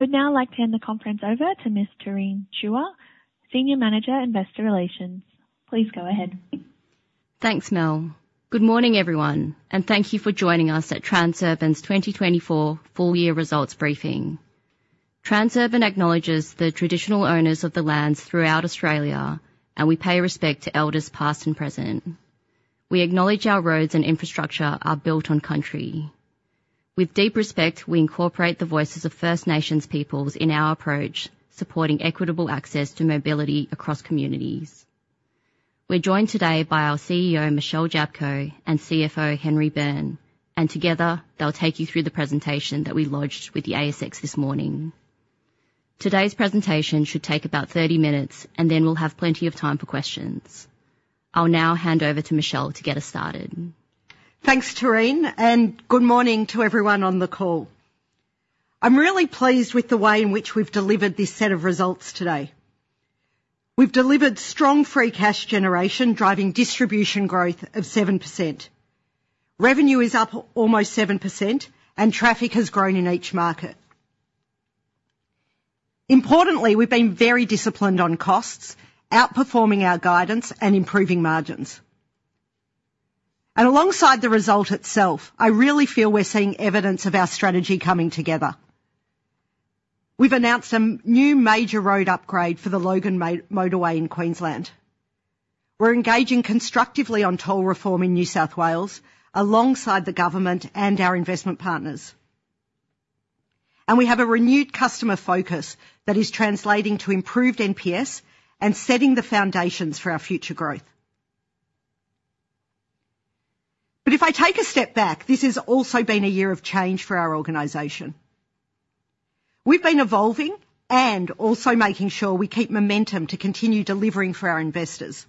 I would now like to hand the conference over to Ms. Taryn Chua, Senior Manager, Investor Relations. Please go ahead. Thanks, Mel. Good morning, everyone, and thank you for joining us at Transurban's 2024 full year results briefing. Transurban acknowledges the traditional owners of the lands throughout Australia, and we pay respect to elders, past and present. We acknowledge our roads and infrastructure are built on country. With deep respect, we incorporate the voices of First Nations peoples in our approach, supporting equitable access to mobility across communities. We're joined today by our CEO, Michelle Jablko, and CFO, Henry Byrne, and together, they'll take you through the presentation that we lodged with the ASX this morning. Today's presentation should take about 30 minutes, and then we'll have plenty of time for questions. I'll now hand over to Michelle to get us started. Thanks, Taryn, and good morning to everyone on the call. I'm really pleased with the way in which we've delivered this set of results today. We've delivered strong free cash generation, driving distribution growth of 7%. Revenue is up almost 7%, and traffic has grown in each market. Importantly, we've been very disciplined on costs, outperforming our guidance and improving margins. And alongside the result itself, I really feel we're seeing evidence of our strategy coming together. We've announced some new major road upgrade for the Logan Motorway in Queensland. We're engaging constructively on toll reform in New South Wales, alongside the government and our investment partners. And we have a renewed customer focus that is translating to improved NPS and setting the foundations for our future growth. But if I take a step back, this has also been a year of change for our organization. We've been evolving and also making sure we keep momentum to continue delivering for our investors.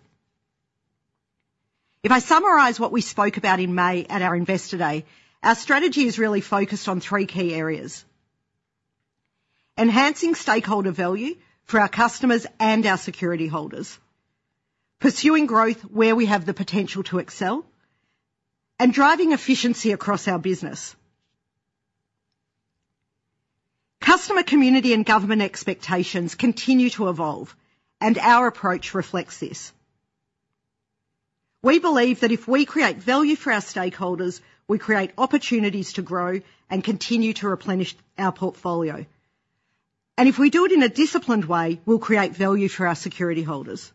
If I summarize what we spoke about in May at our Investor Day, our strategy is really focused on three key areas: enhancing stakeholder value for our customers and our security holders, pursuing growth where we have the potential to excel, and driving efficiency across our business. Customer, community, and government expectations continue to evolve, and our approach reflects this. We believe that if we create value for our stakeholders, we create opportunities to grow and continue to replenish our portfolio, and if we do it in a disciplined way, we'll create value for our security holders.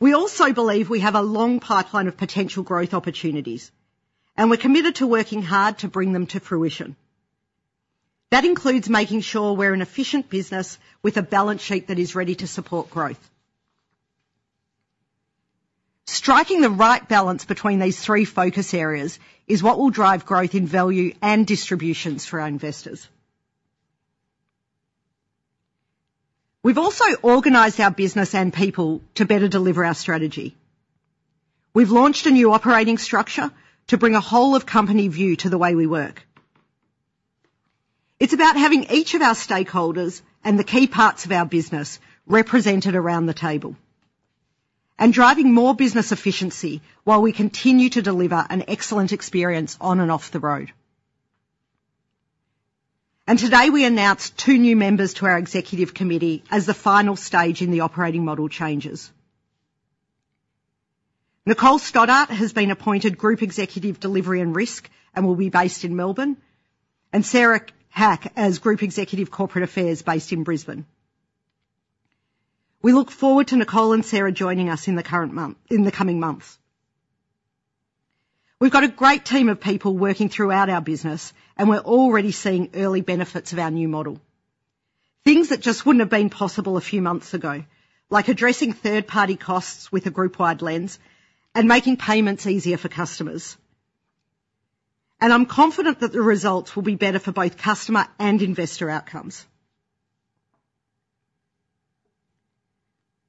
We also believe we have a long pipeline of potential growth opportunities, and we're committed to working hard to bring them to fruition. That includes making sure we're an efficient business with a balance sheet that is ready to support growth. Striking the right balance between these three focus areas is what will drive growth in value and distributions for our investors. We've also organized our business and people to better deliver our strategy. We've launched a new operating structure to bring a whole of company view to the way we work. It's about having each of our stakeholders and the key parts of our business represented around the table and driving more business efficiency while we continue to deliver an excellent experience on and off the road. Today, we announced two new members to our executive committee as the final stage in the operating model changes. Nicole Stoddart has been appointed Group Executive, Delivery and Risk, and will be based in Melbourne, and Sarah Hock as Group Executive, Corporate Affairs, based in Brisbane. We look forward to Nicole and Sarah joining us in the coming months. We've got a great team of people working throughout our business, and we're already seeing early benefits of our new model. Things that just wouldn't have been possible a few months ago, like addressing third-party costs with a group-wide lens and making payments easier for customers. I'm confident that the results will be better for both customer and investor outcomes.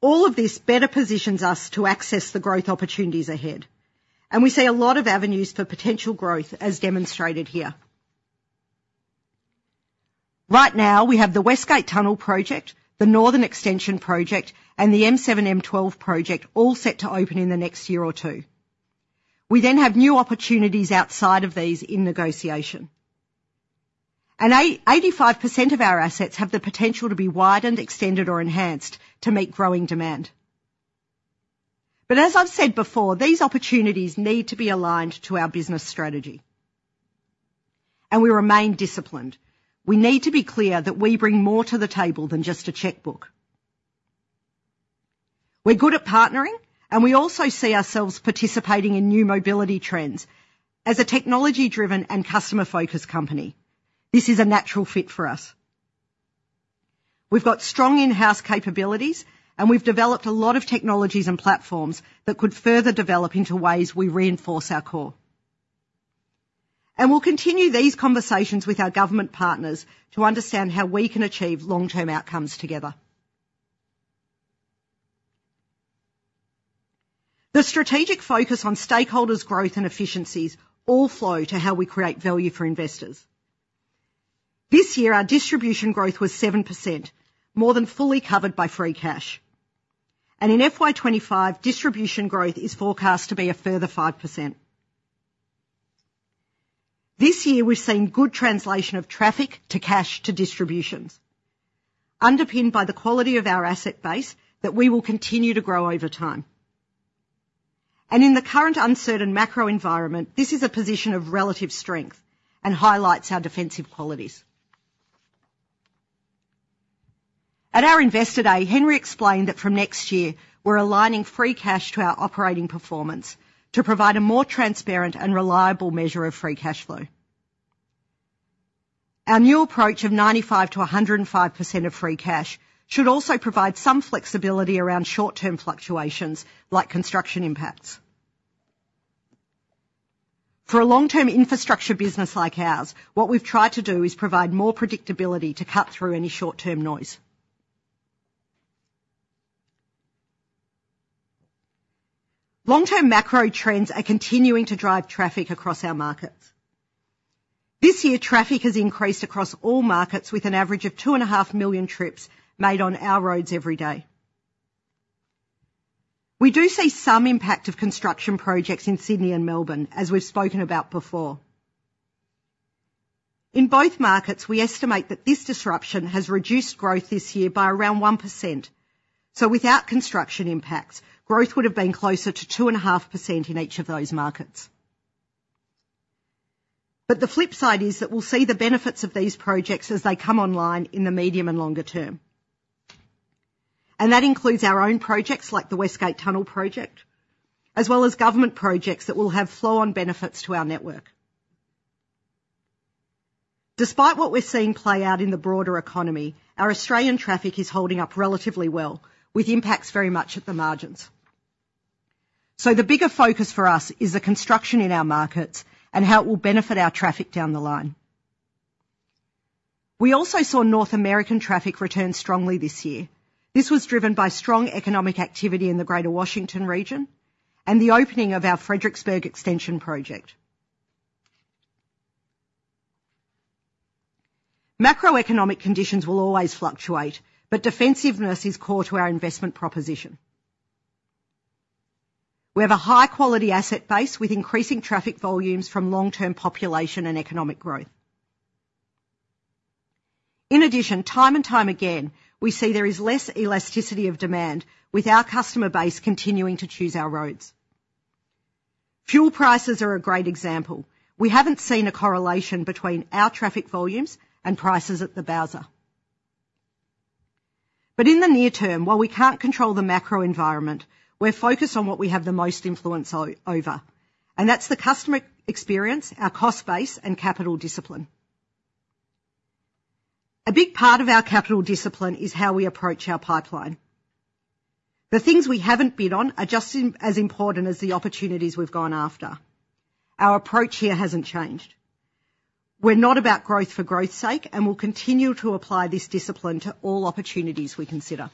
All of this better positions us to access the growth opportunities ahead, and we see a lot of avenues for potential growth, as demonstrated here. Right now, we have the West Gate Tunnel Project, the Northern Extension Project, and the M7-M12 Project all set to open in the next year or two. We then have new opportunities outside of these in negotiation. And 85% of our assets have the potential to be widened, extended or enhanced to meet growing demand. But as I've said before, these opportunities need to be aligned to our business strategy, and we remain disciplined. We need to be clear that we bring more to the table than just a checkbook. We're good at partnering, and we also see ourselves participating in new mobility trends as a technology-driven and customer-focused company. This is a natural fit for us. We've got strong in-house capabilities, and we've developed a lot of technologies and platforms that could further develop into ways we reinforce our core. And we'll continue these conversations with our government partners to understand how we can achieve long-term outcomes together. The strategic focus on stakeholders' growth and efficiencies all flow to how we create value for investors. This year, our distribution growth was 7%, more than fully covered by free cash. And in FY 2025, distribution growth is forecast to be a further 5%. This year, we've seen good translation of traffic to cash to distributions, underpinned by the quality of our asset base that we will continue to grow over time. And in the current uncertain macro environment, this is a position of relative strength and highlights our defensive qualities. At our Investor Day, Henry explained that from next year, we're aligning free cash to our operating performance to provide a more transparent and reliable measure of free cash flow. Our new approach of 95%-105% of free cash should also provide some flexibility around short-term fluctuations, like construction impacts. For a long-term infrastructure business like ours, what we've tried to do is provide more predictability to cut through any short-term noise. Long-term macro trends are continuing to drive traffic across our markets. This year, traffic has increased across all markets with an average of 2.5 million trips made on our roads every day. We do see some impact of construction projects in Sydney and Melbourne, as we've spoken about before. In both markets, we estimate that this disruption has reduced growth this year by around 1%. So without construction impacts, growth would have been closer to 2.5% in each of those markets. But the flip side is that we'll see the benefits of these projects as they come online in the medium and longer term. That includes our own projects, like the West Gate Tunnel Project, as well as government projects that will have flow-on benefits to our network. Despite what we're seeing play out in the broader economy, our Australian traffic is holding up relatively well, with impacts very much at the margins. The bigger focus for us is the construction in our markets and how it will benefit our traffic down the line. We also saw North American traffic return strongly this year. This was driven by strong economic activity in the Greater Washington region and the opening of our Fredericksburg Extension Project. Macroeconomic conditions will always fluctuate, but defensiveness is core to our investment proposition. We have a high-quality asset base with increasing traffic volumes from long-term population and economic growth. In addition, time and time again, we see there is less elasticity of demand, with our customer base continuing to choose our roads. Fuel prices are a great example. We haven't seen a correlation between our traffic volumes and prices at the bowser. But in the near term, while we can't control the macro environment, we're focused on what we have the most influence over, and that's the customer experience, our cost base, and capital discipline. A big part of our capital discipline is how we approach our pipeline. The things we haven't bid on are just as important as the opportunities we've gone after. Our approach here hasn't changed. We're not about growth for growth's sake, and we'll continue to apply this discipline to all opportunities we consider.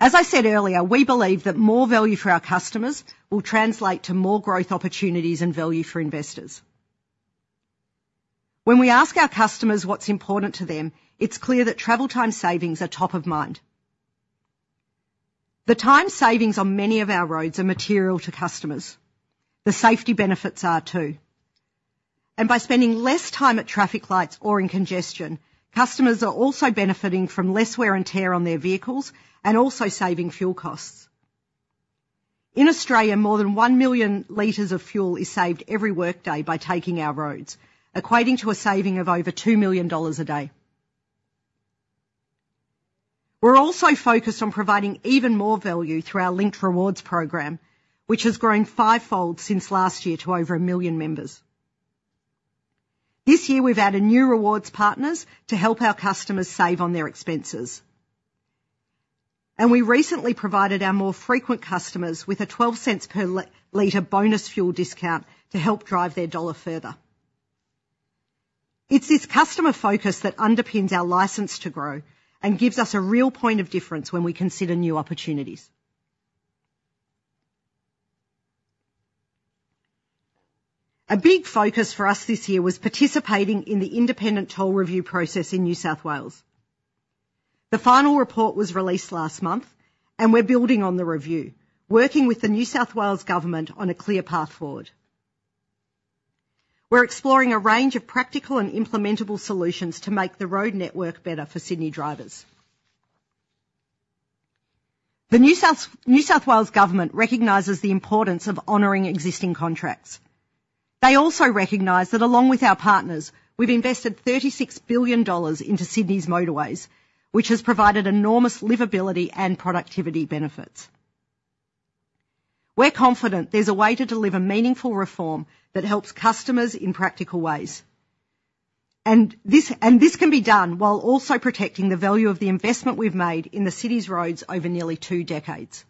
As I said earlier, we believe that more value for our customers will translate to more growth opportunities and value for investors. When we ask our customers what's important to them, it's clear that travel time savings are top of mind. The time savings on many of our roads are material to customers. The safety benefits are, too. And by spending less time at traffic lights or in congestion, customers are also benefiting from less wear and tear on their vehicles and also saving fuel costs. In Australia, more than 1 million liters of fuel is saved every workday by taking our roads, equating to a saving of over 2 million dollars a day. We're also focused on providing even more value through our Linkt Rewards program, which has grown fivefold since last year to over 1 million members. This year, we've added new rewards partners to help our customers save on their expenses, and we recently provided our more frequent customers with a 0.12 per liter bonus fuel discount to help drive their dollar further. It's this customer focus that underpins our license to grow and gives us a real point of difference when we consider new opportunities. A big focus for us this year was participating in the independent toll review process in New South Wales. The final report was released last month, and we're building on the review, working with the New South Wales Government on a clear path forward. We're exploring a range of practical and implementable solutions to make the road network better for Sydney drivers. The New South Wales government recognizes the importance of honoring existing contracts. They also recognize that, along with our partners, we've invested 36 billion dollars into Sydney's motorways, which has provided enormous livability and productivity benefits. We're confident there's a way to deliver meaningful reform that helps customers in practical ways. And this, and this can be done while also protecting the value of the investment we've made in the city's roads over nearly two decades.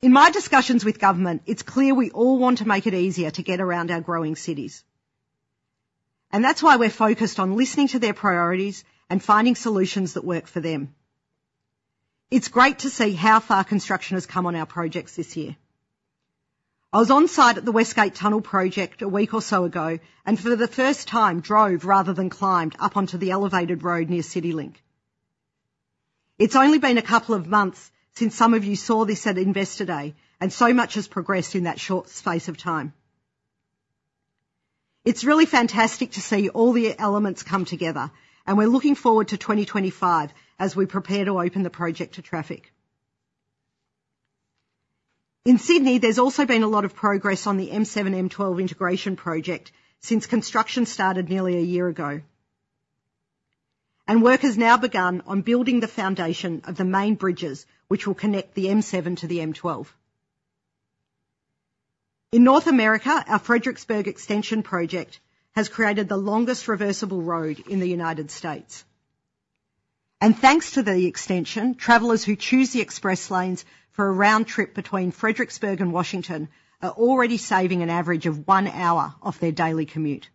In my discussions with government, it's clear we all want to make it easier to get around our growing cities, and that's why we're focused on listening to their priorities and finding solutions that work for them. It's great to see how far construction has come on our projects this year. I was on site at the West Gate Tunnel Project a week or so ago, and for the first time, drove rather than climbed up onto the elevated road near CityLink. It's only been a couple of months since some of you saw this at Investor Day, and so much has progressed in that short space of time. It's really fantastic to see all the elements come together, and we're looking forward to 2025 as we prepare to open the project to traffic. In Sydney, there's also been a lot of progress on the M7-M12 Integration Project since construction started nearly a year ago. Work has now begun on building the foundation of the main bridges, which will connect the M7 to the M12. In North America, our Fredericksburg Extension Project has created the longest reversible road in the United States. Thanks to the extension, travelers who choose the express lanes for a round trip between Fredericksburg and Washington are already saving an average of one hour off their daily commute.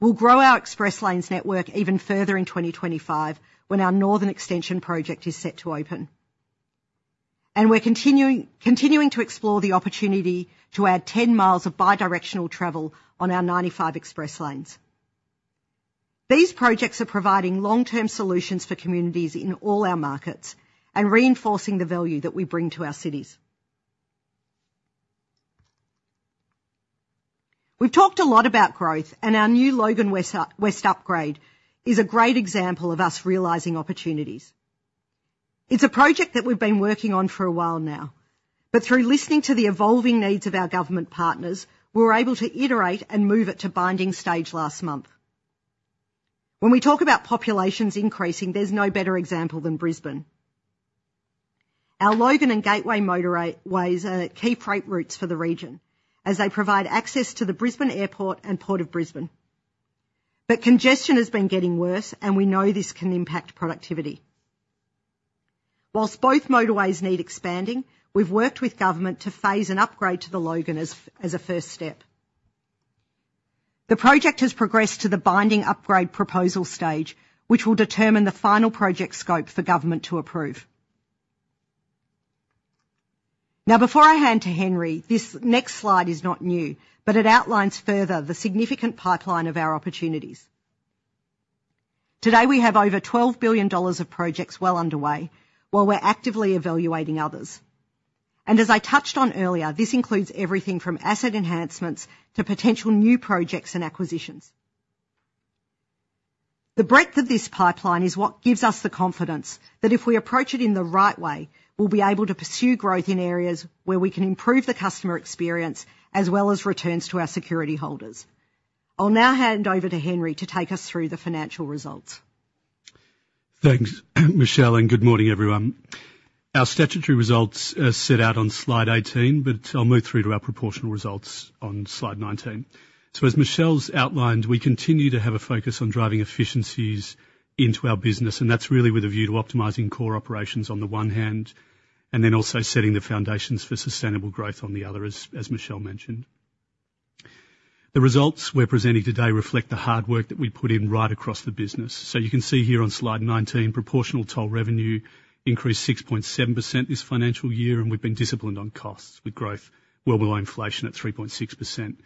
We'll grow our express lanes network even further in 2025 when our Northern Extension Project is set to open. And we're continuing to explore the opportunity to add 10 mi of bidirectional travel on our 95 Express Lanes. These projects are providing long-term solutions for communities in all our markets and reinforcing the value that we bring to our cities. We've talked a lot about growth, and our new Logan West Upgrade is a great example of us realizing opportunities. It's a project that we've been working on for a while now, but through listening to the evolving needs of our government partners, we were able to iterate and move it to binding stage last month. When we talk about populations increasing, there's no better example than Brisbane. Our Logan and Gateway motorways are key freight routes for the region as they provide access to the Brisbane Airport and Port of Brisbane. But congestion has been getting worse, and we know this can impact productivity. While both motorways need expanding, we've worked with government to phase an upgrade to the Logan as a first step. The project has progressed to the binding upgrade proposal stage, which will determine the final project scope for government to approve. Now, before I hand to Henry, this next slide is not new, but it outlines further the significant pipeline of our opportunities. Today, we have over 12 billion dollars of projects well underway, while we're actively evaluating others. And as I touched on earlier, this includes everything from asset enhancements to potential new projects and acquisitions. The breadth of this pipeline is what gives us the confidence that if we approach it in the right way, we'll be able to pursue growth in areas where we can improve the customer experience as well as returns to our security holders. I'll now hand over to Henry to take us through the financial results. Thanks, Michelle, and good morning, everyone. Our statutory results are set out on slide 18, but I'll move through to our proportional results on slide 19. So as Michelle's outlined, we continue to have a focus on driving efficiencies into our business, and that's really with a view to optimizing core operations on the one hand, and then also setting the foundations for sustainable growth on the other as Michelle mentioned. The results we're presenting today reflect the hard work that we put in right across the business. So you can see here on slide 19, proportional toll revenue increased 6.7% this financial year, and we've been disciplined on costs, with growth well below inflation at 3.6%.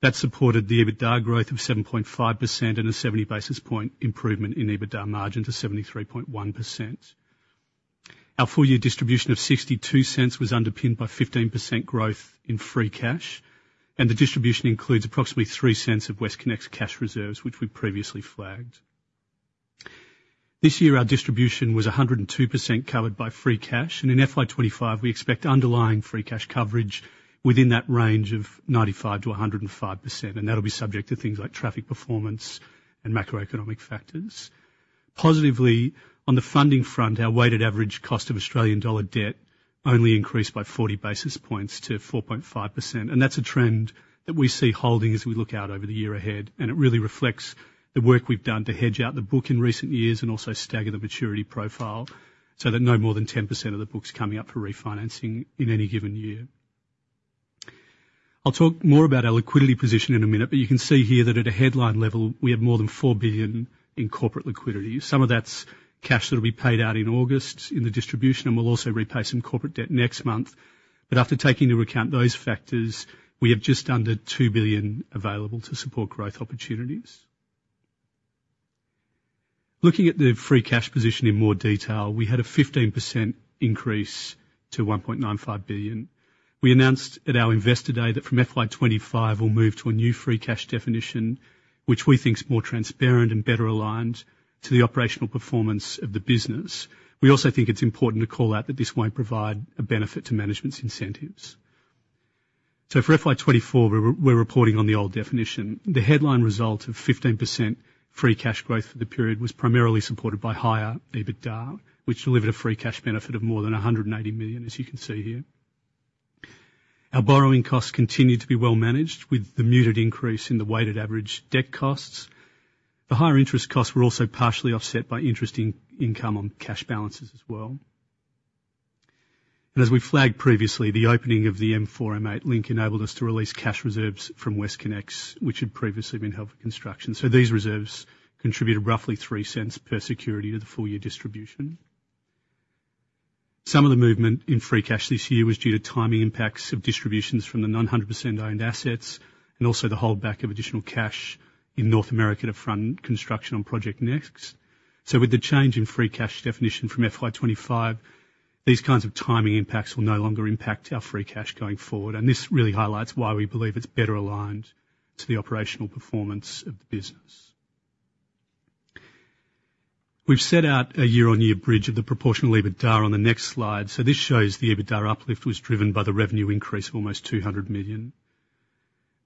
That supported the EBITDA growth of 7.5% and a 70 basis point improvement in EBITDA margin to 73.1%. Our full-year distribution of 0.62 was underpinned by 15% growth in free cash, and the distribution includes approximately 0.03 of WestConnex cash reserves, which we previously flagged. This year, our distribution was 102% covered by free cash, and in FY 2025, we expect underlying free cash coverage within that range of 95%-105%, and that'll be subject to things like traffic performance and macroeconomic factors. Positively, on the funding front, our weighted average cost of Australian dollar debt only increased by 40 basis points to 4.5%, and that's a trend that we see holding as we look out over the year ahead. It really reflects the work we've done to hedge out the book in recent years and also stagger the maturity profile so that no more than 10% of the book's coming up for refinancing in any given year. I'll talk more about our liquidity position in a minute, but you can see here that at a headline level, we have more than 4 billion in corporate liquidity. Some of that's cash that'll be paid out in August in the distribution, and we'll also repay some corporate debt next month. But after taking into account those factors, we have just under 2 billion available to support growth opportunities. Looking at the free cash position in more detail, we had a 15% increase to 1.95 billion. We announced at our Investor Day that from FY 25, we'll move to a new free cash definition, which we think is more transparent and better aligned to the operational performance of the business. We also think it's important to call out that this won't provide a benefit to management's incentives. So for FY 2024, we're reporting on the old definition. The headline result of 15% free cash growth for the period was primarily supported by higher EBITDA, which delivered a free cash benefit of more than 180 million, as you can see here. Our borrowing costs continued to be well managed, with the muted increase in the weighted average debt costs. The higher interest costs were also partially offset by interest income on cash balances as well. As we flagged previously, the opening of the M4-M8 Link enabled us to release cash reserves from WestConnex, which had previously been held for construction. These reserves contributed roughly 0.03 per security to the full year distribution. Some of the movement in free cash this year was due to timing impacts of distributions from the non-100% owned assets, and also the holdback of additional cash in North America to front construction on Project NEXT. With the change in free cash definition from FY 2025, these kinds of timing impacts will no longer impact our free cash going forward, and this really highlights why we believe it's better aligned to the operational performance of the business. We've set out a year-on-year bridge of the proportional EBITDA on the next slide. This shows the EBITDA uplift was driven by the revenue increase of almost 200 million.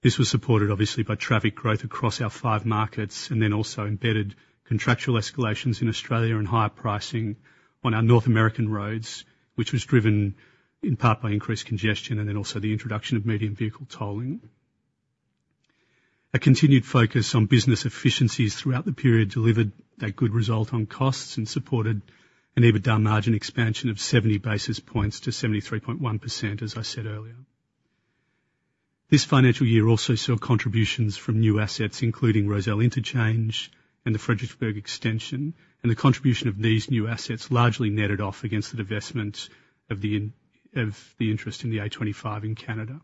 This was supported obviously by traffic growth across our five markets, and then also embedded contractual escalations in Australia and higher pricing on our North American roads, which was driven in part by increased congestion and then also the introduction of medium vehicle tolling. A continued focus on business efficiencies throughout the period delivered that good result on costs and supported an EBITDA margin expansion of 70 basis points to 73.1%, as I said earlier. This financial year also saw contributions from new assets, including Rozelle Interchange and the Fredericksburg extension, and the contribution of these new assets largely netted off against the divestment of the interest in the A25 in Canada.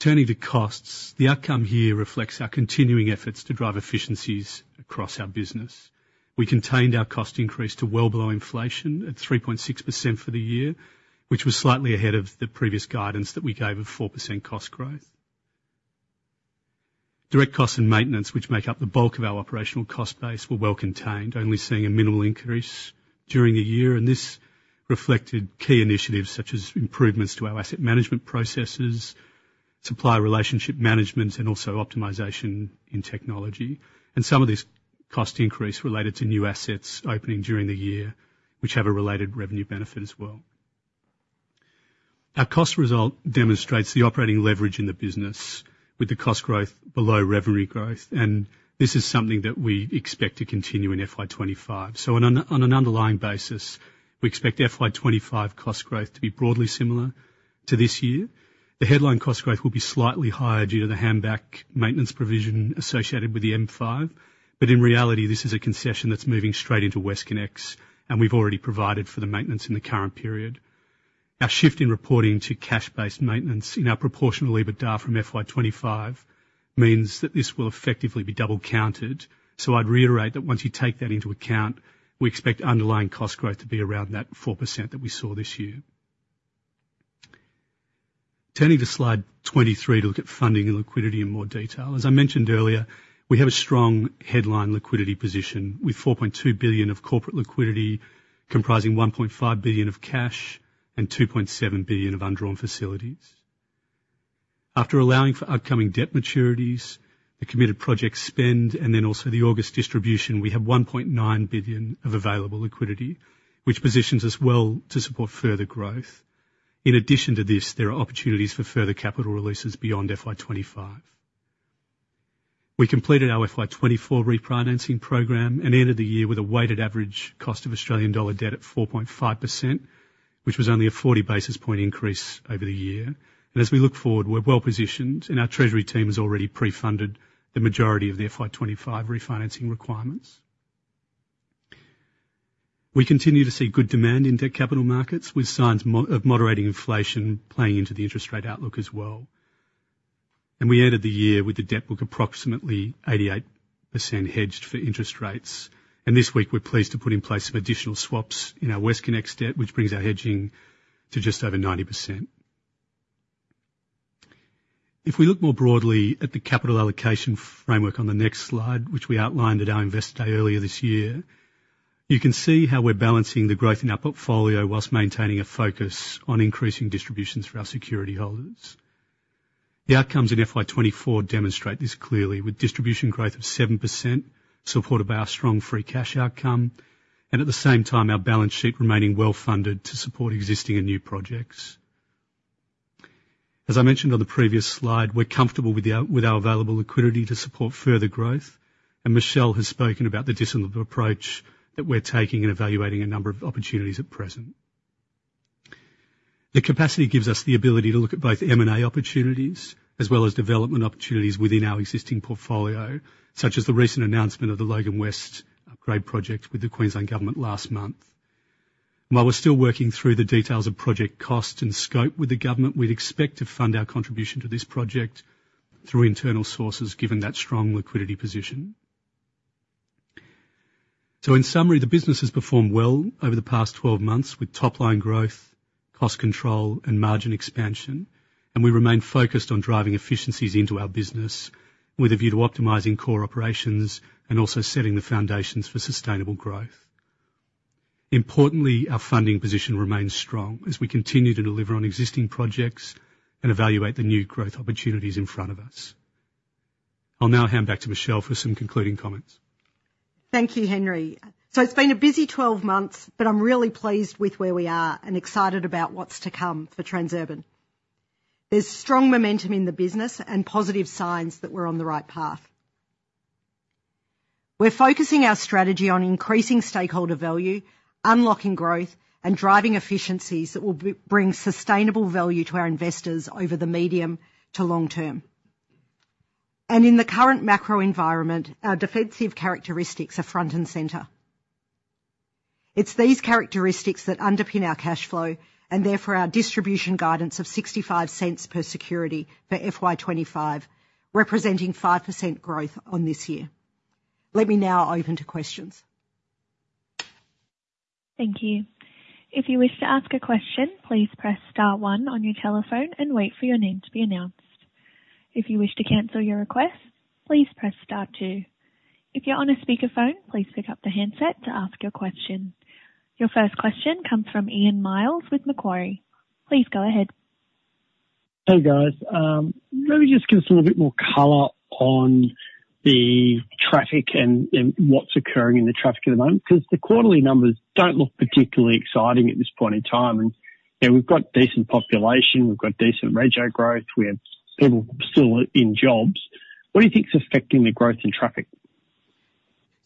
Turning to costs, the outcome here reflects our continuing efforts to drive efficiencies across our business. We contained our cost increase to well below inflation at 3.6% for the year, which was slightly ahead of the previous guidance that we gave of 4% cost growth. Direct costs and maintenance, which make up the bulk of our operational cost base, were well contained, only seeing a minimal increase during the year, and this reflected key initiatives such as improvements to our asset management processes, supplier relationship management, and also optimization in technology. And some of this cost increase related to new assets opening during the year, which have a related revenue benefit as well. Our cost result demonstrates the operating leverage in the business with the cost growth below revenue growth, and this is something that we expect to continue in FY 2025. So on an underlying basis, we expect FY 2025 cost growth to be broadly similar to this year. The headline cost growth will be slightly higher due to the handback maintenance provision associated with the M5, but in reality, this is a concession that's moving straight into WestConnex, and we've already provided for the maintenance in the current period. Our shift in reporting to cash-based maintenance in our proportional EBITDA from FY 2025 means that this will effectively be double-counted. So I'd reiterate that once you take that into account, we expect underlying cost growth to be around that 4% that we saw this year. Turning to slide 23 to look at funding and liquidity in more detail. As I mentioned earlier, we have a strong headline liquidity position, with 4.2 billion of corporate liquidity, comprising 1.5 billion of cash and 2.7 billion of undrawn facilities. After allowing for upcoming debt maturities, the committed project spend, and then also the August distribution, we have 1.9 billion of available liquidity, which positions us well to support further growth. In addition to this, there are opportunities for further capital releases beyond FY 2025. We completed our FY 2024 refinancing program and ended the year with a weighted average cost of Australian dollar debt at 4.5%, which was only a 40 basis point increase over the year. And as we look forward, we're well-positioned, and our treasury team has already pre-funded the majority of the FY 2025 refinancing requirements. We continue to see good demand in debt capital markets, with signs of moderating inflation playing into the interest rate outlook as well. We ended the year with the debt book approximately 88% hedged for interest rates. This week, we're pleased to put in place some additional swaps in our WestConnex debt, which brings our hedging to just over 90%. If we look more broadly at the capital allocation framework on the next slide, which we outlined at our investor day earlier this year, you can see how we're balancing the growth in our portfolio whilst maintaining a focus on increasing distributions for our security holders. The outcomes in FY 2024 demonstrate this clearly, with distribution growth of 7%, supported by our strong free cash outcome, and at the same time, our balance sheet remaining well-funded to support existing and new projects. As I mentioned on the previous slide, we're comfortable with our available liquidity to support further growth, and Michelle has spoken about the disciplined approach that we're taking in evaluating a number of opportunities at present. The capacity gives us the ability to look at both M&A opportunities as well as development opportunities within our existing portfolio, such as the recent announcement of the Logan West Upgrade project with the Queensland Government last month. While we're still working through the details of project cost and scope with the government, we'd expect to fund our contribution to this project through internal sources, given that strong liquidity position. So in summary, the business has performed well over the past 12 months with top-line growth, cost control, and margin expansion, and we remain focused on driving efficiencies into our business with a view to optimizing core operations and also setting the foundations for sustainable growth. Importantly, our funding position remains strong as we continue to deliver on existing projects and evaluate the new growth opportunities in front of us. I'll now hand back to Michelle for some concluding comments. Thank you, Henry. So it's been a busy 12 months, but I'm really pleased with where we are and excited about what's to come for Transurban. There's strong momentum in the business and positive signs that we're on the right path. We're focusing our strategy on increasing stakeholder value, unlocking growth, and driving efficiencies that will bring sustainable value to our investors over the medium to long term. And in the current macro environment, our defensive characteristics are front and center. It's these characteristics that underpin our cash flow and therefore our distribution guidance of 0.65 per security for FY 2025, representing 5% growth on this year. Let me now open to questions. Thank you. If you wish to ask a question, please press star one on your telephone and wait for your name to be announced. If you wish to cancel your request, please press star two. If you're on a speakerphone, please pick up the handset to ask your question. Your first question comes from Ian Myles with Macquarie. Please go ahead. Hey, guys. Maybe just give us a little bit more color on the traffic and what's occurring in the traffic at the moment, 'cause the quarterly numbers don't look particularly exciting at this point in time. And, you know, we've got decent population, we've got decent rego growth, we have people still in jobs. What do you think is affecting the growth in traffic?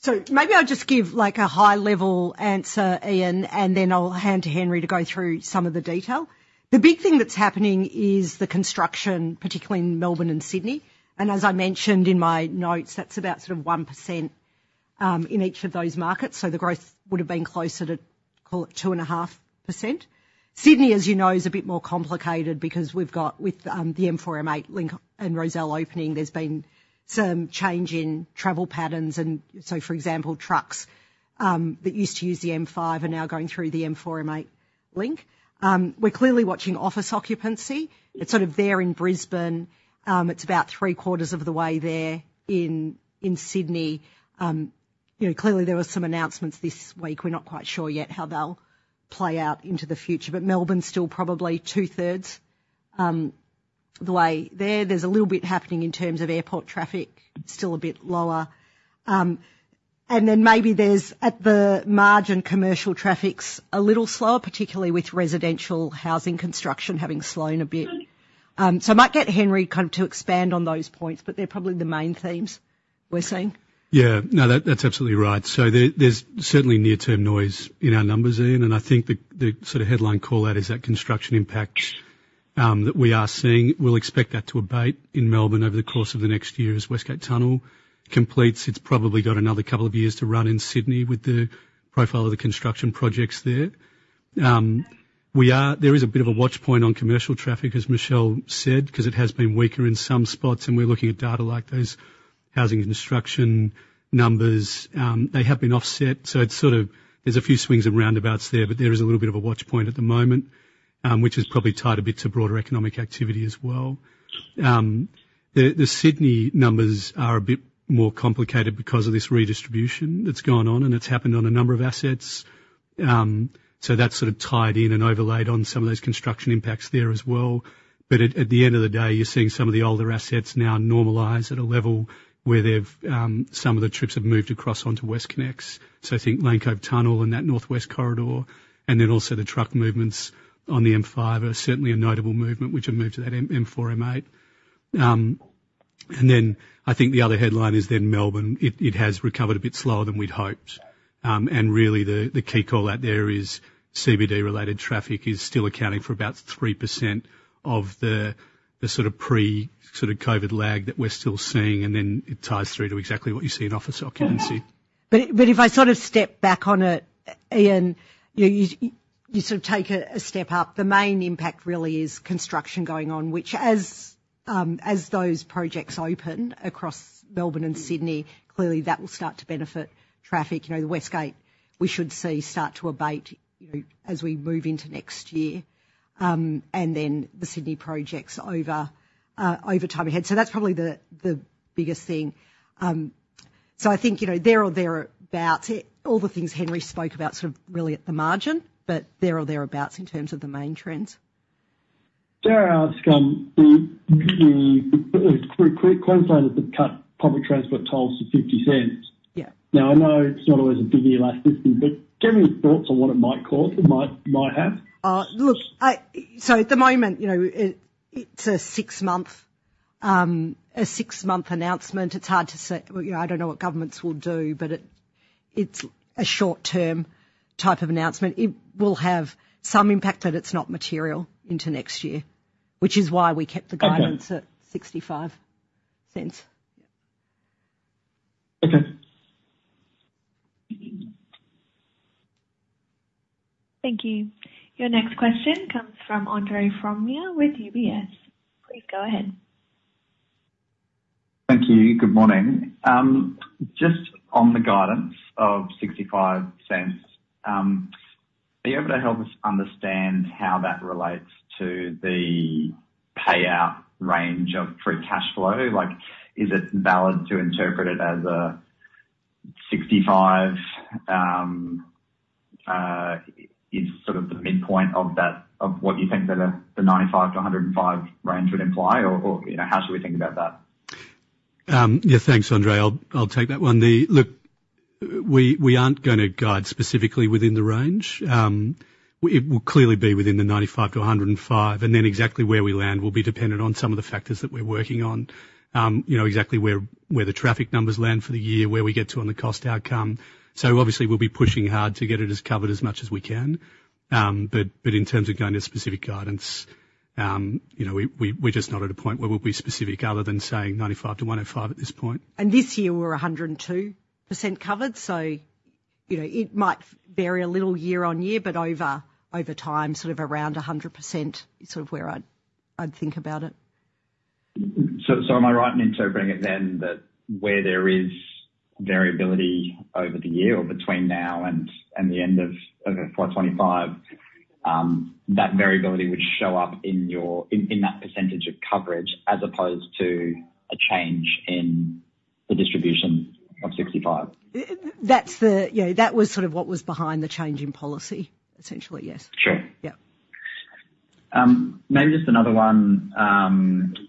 So maybe I'll just give, like, a high-level answer, Ian, and then I'll hand to Henry to go through some of the detail. The big thing that's happening is the construction, particularly in Melbourne and Sydney, and as I mentioned in my notes, that's about sort of 1%, in each of those markets, so the growth would have been closer to, call it 2.5%. Sydney, as you know, is a bit more complicated because we've got with, the M4-M8 Link and Rozelle opening, there's been some change in travel patterns, and so, for example, trucks, that used to use the M5 are now going through the M4-M8 Link. We're clearly watching office occupancy. It's sort of there in Brisbane. It's about three quarters of the way there in, in Sydney. You know, clearly there were some announcements this week. We're not quite sure yet how they'll play out into the future, but Melbourne's still probably two-thirds the way there. There's a little bit happening in terms of airport traffic, still a bit lower. And then maybe there's, at the margin, commercial traffic's a little slower, particularly with residential housing construction having slowed a bit. So I might get Henry kind of to expand on those points, but they're probably the main themes we're seeing. Yeah. No, that's absolutely right. So there's certainly near-term noise in our numbers, Ian, and I think the sort of headline call-out is that construction impact that we are seeing. We'll expect that to abate in Melbourne over the course of the next year as West Gate Tunnel completes. It's probably got another couple of years to run in Sydney with the profile of the construction projects there. There is a bit of a watch point on commercial traffic, as Michelle said, 'cause it has been weaker in some spots, and we're looking at data like those housing and construction numbers. They have been offset, so it's sort of, there's a few swings and roundabouts there, but there is a little bit of a watch point at the moment, which is probably tied a bit to broader economic activity as well. The Sydney numbers are a bit more complicated because of this redistribution that's gone on, and it's happened on a number of assets. So that's sort of tied in and overlaid on some of those construction impacts there as well. But at the end of the day, you're seeing some of the older assets now normalize at a level where they've some of the trips have moved across onto WestConnex. So think Lane Cove Tunnel and that northwest corridor, and then also the truck movements on the M5 are certainly a notable movement, which have moved to that M4-M8. And then I think the other headline is then Melbourne. It has recovered a bit slower than we'd hoped. Really, the key call out there is CBD-related traffic is still accounting for about 3% of the sort of pre-COVID lag that we're still seeing, and then it ties through to exactly what you see in office occupancy. But if I sort of step back on it, Ian, you sort of take a step up, the main impact really is construction going on, which as those projects open across Melbourne and Sydney, clearly that will start to benefit traffic. You know, the West Gate, we should see start to abate, you know, as we move into next year, and then the Sydney projects over time ahead. So that's probably the biggest thing. So I think, you know, there or thereabouts, all the things Henry spoke about, sort of really at the margin, but there or thereabouts in terms of the main trends. Dare I ask, Queensland has cut public transport tolls to 0.50. Yeah. Now, I know it's not always a big elasticity, but do you have any thoughts on what it might cause? It might, might have? Look, so at the moment, you know, it's a six-month announcement. It's hard to say. You know, I don't know what governments will do, but it's a short-term type of announcement. It will have some impact, but it's not material into next year, which is why we kept the- Okay. guidance at 0.65. Okay. Thank you. Your next question comes from Andre Fromyhr with UBS. Please go ahead. Thank you. Good morning. Just on the guidance of 0.65, are you able to help us understand how that relates to the payout range of free cash flow? Like, is it valid to interpret it as 0.65, it's sort of the midpoint of that, of what you think that the, the 95%-105% range would imply? Or, or, you know, how should we think about that? Yeah, thanks, Andre. I'll take that one. We aren't gonna guide specifically within the range. It will clearly be within the 95%-105%, and then exactly where we land will be dependent on some of the factors that we're working on. You know, exactly where the traffic numbers land for the year, where we get to on the cost outcome. So obviously, we'll be pushing hard to get it as covered as much as we can. But in terms of going to specific guidance, you know, we're just not at a point where we'll be specific other than saying 95%-105% at this point. This year we're 102% covered, so you know, it might vary a little year-on-year, but over time, sort of around 100% is sort of where I'd think about it. So, am I right in interpreting it then, that where there is variability over the year or between now and the end of FY 2025, that variability would show up in that percentage of coverage as opposed to a change in the distribution of 0.65? That's-- yeah, that was sort of what was behind the change in policy, essentially, yes. Sure. Yeah. Maybe just another one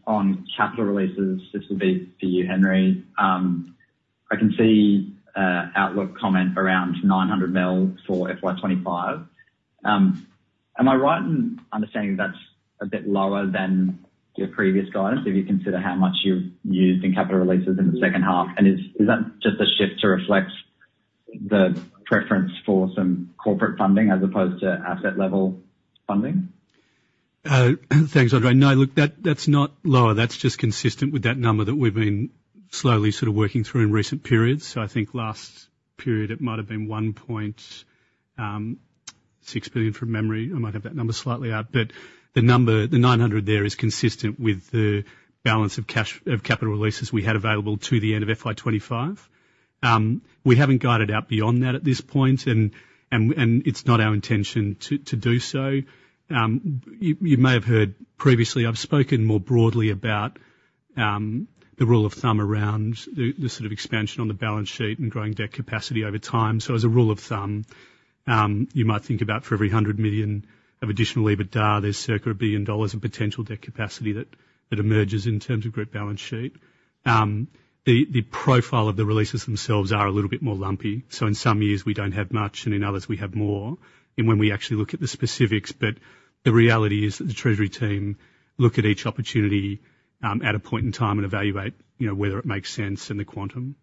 on capital releases. This will be for you, Henry. I can see Outlook comment around 900 million for FY 2025. Am I right in understanding that's a bit lower than your previous guidance, if you consider how much you've used in capital releases in the second half? And is, is that just a shift to reflect the preference for some corporate funding as opposed to asset level funding? Thanks, Andre. No, look, that's not lower. That's just consistent with that number that we've been slowly sort of working through in recent periods. So I think last period, it might have been 1.6 billion from memory. I might have that number slightly out, but the number, the 900 million there is consistent with the balance of capital releases we had available to the end of FY 2025. We haven't guided out beyond that at this point, and it's not our intention to do so. You may have heard previously, I've spoken more broadly about the rule of thumb around the sort of expansion on the balance sheet and growing debt capacity over time. So as a rule of thumb, you might think about for every 100 million of additional EBITDA, there's circa 1 billion dollars of potential debt capacity that emerges in terms of group balance sheet. The profile of the releases themselves are a little bit more lumpy, so in some years we don't have much, and in others we have more, and when we actually look at the specifics. But the reality is that the treasury team look at each opportunity, at a point in time and evaluate, you know, whether it makes sense in the quantum.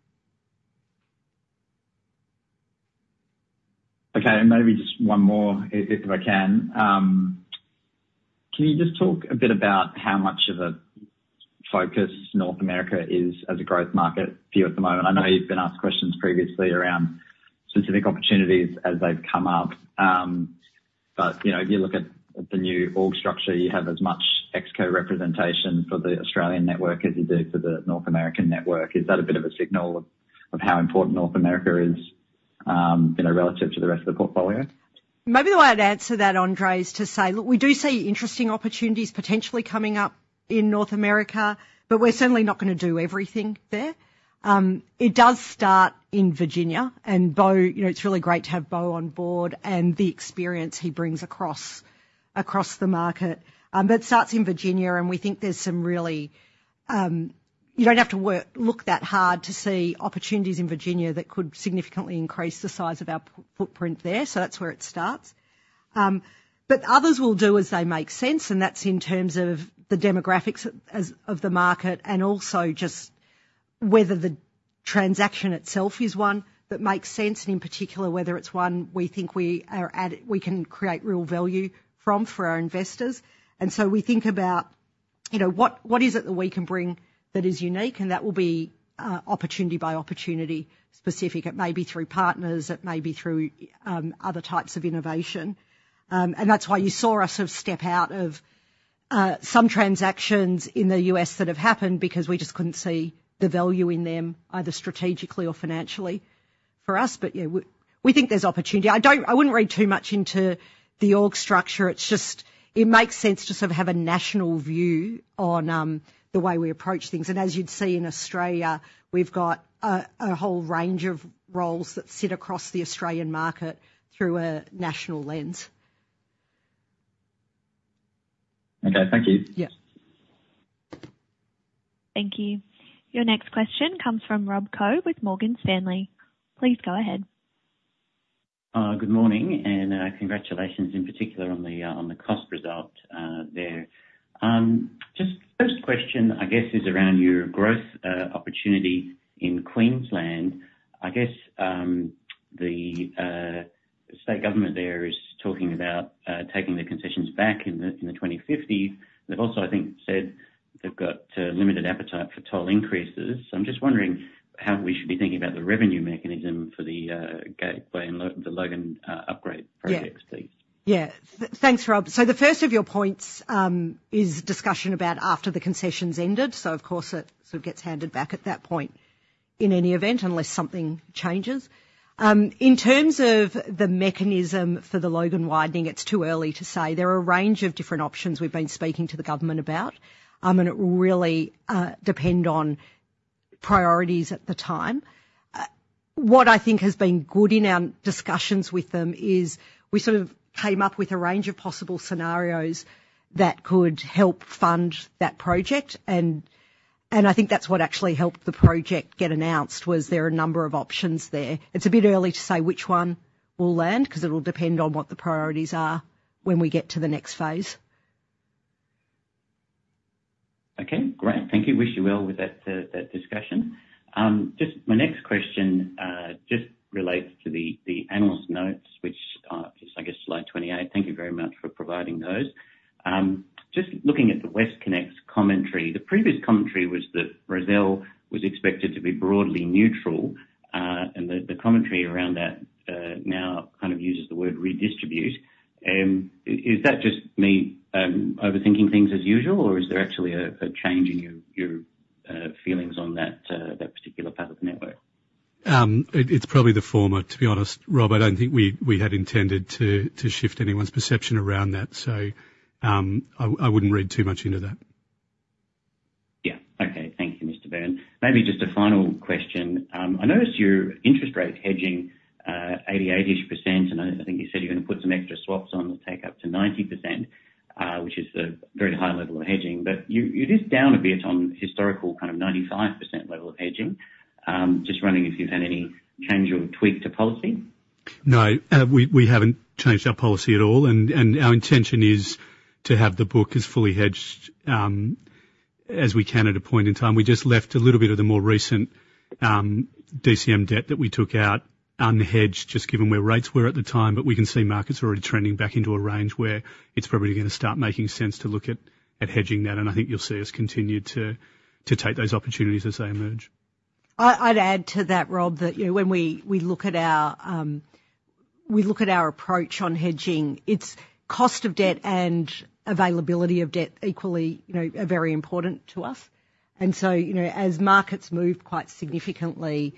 Okay, and maybe just one more if, if I can. Can you just talk a bit about how much of a focus North America is as a growth market for you at the moment? I know you've been asked questions previously around specific opportunities as they've come up, but, you know, if you look at the new org structure, you have as much Exco representation for the Australian network as you do for the North American network. Is that a bit of a signal of, of how important North America is, you know, relative to the rest of the portfolio? Maybe the way I'd answer that, Andre, is to say, look, we do see interesting opportunities potentially coming up in North America, but we're certainly not gonna do everything there. It does start in Virginia, and Beau, you know, it's really great to have Beau on board and the experience he brings across the market. But it starts in Virginia, and we think there's some really. You don't have to look that hard to see opportunities in Virginia that could significantly increase the size of our footprint there, so that's where it starts. But others we'll do as they make sense, and that's in terms of the demographics as of the market and also just whether the transaction itself is one that makes sense, and in particular, whether it's one we think we can create real value from, for our investors. And so we think about, you know, what is it that we can bring that is unique? And that will be opportunity by opportunity specific. It may be through partners, it may be through other types of innovation. And that's why you saw us sort of step out of some transactions in the U.S. that have happened, because we just couldn't see the value in them, either strategically or financially for us. But, yeah, we think there's opportunity. I don't-I wouldn't read too much into the org structure. It's just, it makes sense to sort of have a national view on the way we approach things. And as you'd see in Australia, we've got a whole range of roles that sit across the Australian market through a national lens. Okay, thank you. Yeah. Thank you. Your next question comes from Rob Koh with Morgan Stanley. Please go ahead. Good morning, and congratulations in particular on the cost result there. Just first question, I guess, is around your growth opportunity in Queensland. I guess, the state government there is talking about taking the concessions back in the 2050s. They've also, I think, said they've got limited appetite for toll increases. So I'm just wondering how we should be thinking about the revenue mechanism for the Gateway and the Logan upgrade projects, please? Yeah. Thanks, Rob. So the first of your points is discussion about after the concession's ended, so of course, it sort of gets handed back at that point in any event, unless something changes. In terms of the mechanism for the Logan widening, it's too early to say. There are a range of different options we've been speaking to the government about, and it will really depend on priorities at the time. What I think has been good in our discussions with them is we sort of came up with a range of possible scenarios that could help fund that project. And I think that's what actually helped the project get announced, was there are a number of options there. It's a bit early to say which one we'll land, 'cause it'll depend on what the priorities are... when we get to the next phase. Okay, great. Thank you. Wish you well with that, that discussion. Just my next question, just relates to the, the analyst notes, which are, just I guess, slide 28. Thank you very much for providing those. Just looking at the WestConnex commentary, the previous commentary was that Rozelle was expected to be broadly neutral, and the, the commentary around that, now kind of uses the word redistribute. Is that just me, overthinking things as usual or is there actually a, a change in your, your, feelings on that, that particular part of the network? It's probably the former, to be honest. Rob, I don't think we had intended to shift anyone's perception around that. So, I wouldn't read too much into that. Yeah. Okay. Thank you, Mr. Byrne. Maybe just a final question. I noticed your interest rate hedging, 88%-ish, and I, I think you said you're gonna put some extra swaps on to take up to 90%, which is a very high level of hedging. But you, it is down a bit on historical, kind of 95% level of hedging. Just wondering if you've had any change or tweak to policy? No, we haven't changed our policy at all, and our intention is to have the book as fully hedged as we can at a point in time. We just left a little bit of the more recent DCM debt that we took out unhedged, just given where rates were at the time. But we can see markets already trending back into a range where it's probably gonna start making sense to look at hedging that, and I think you'll see us continue to take those opportunities as they emerge. I'd add to that, Rob, that you know, when we look at our approach on hedging, it's cost of debt and availability of debt equally, you know, are very important to us. And so, you know, as markets move quite significantly,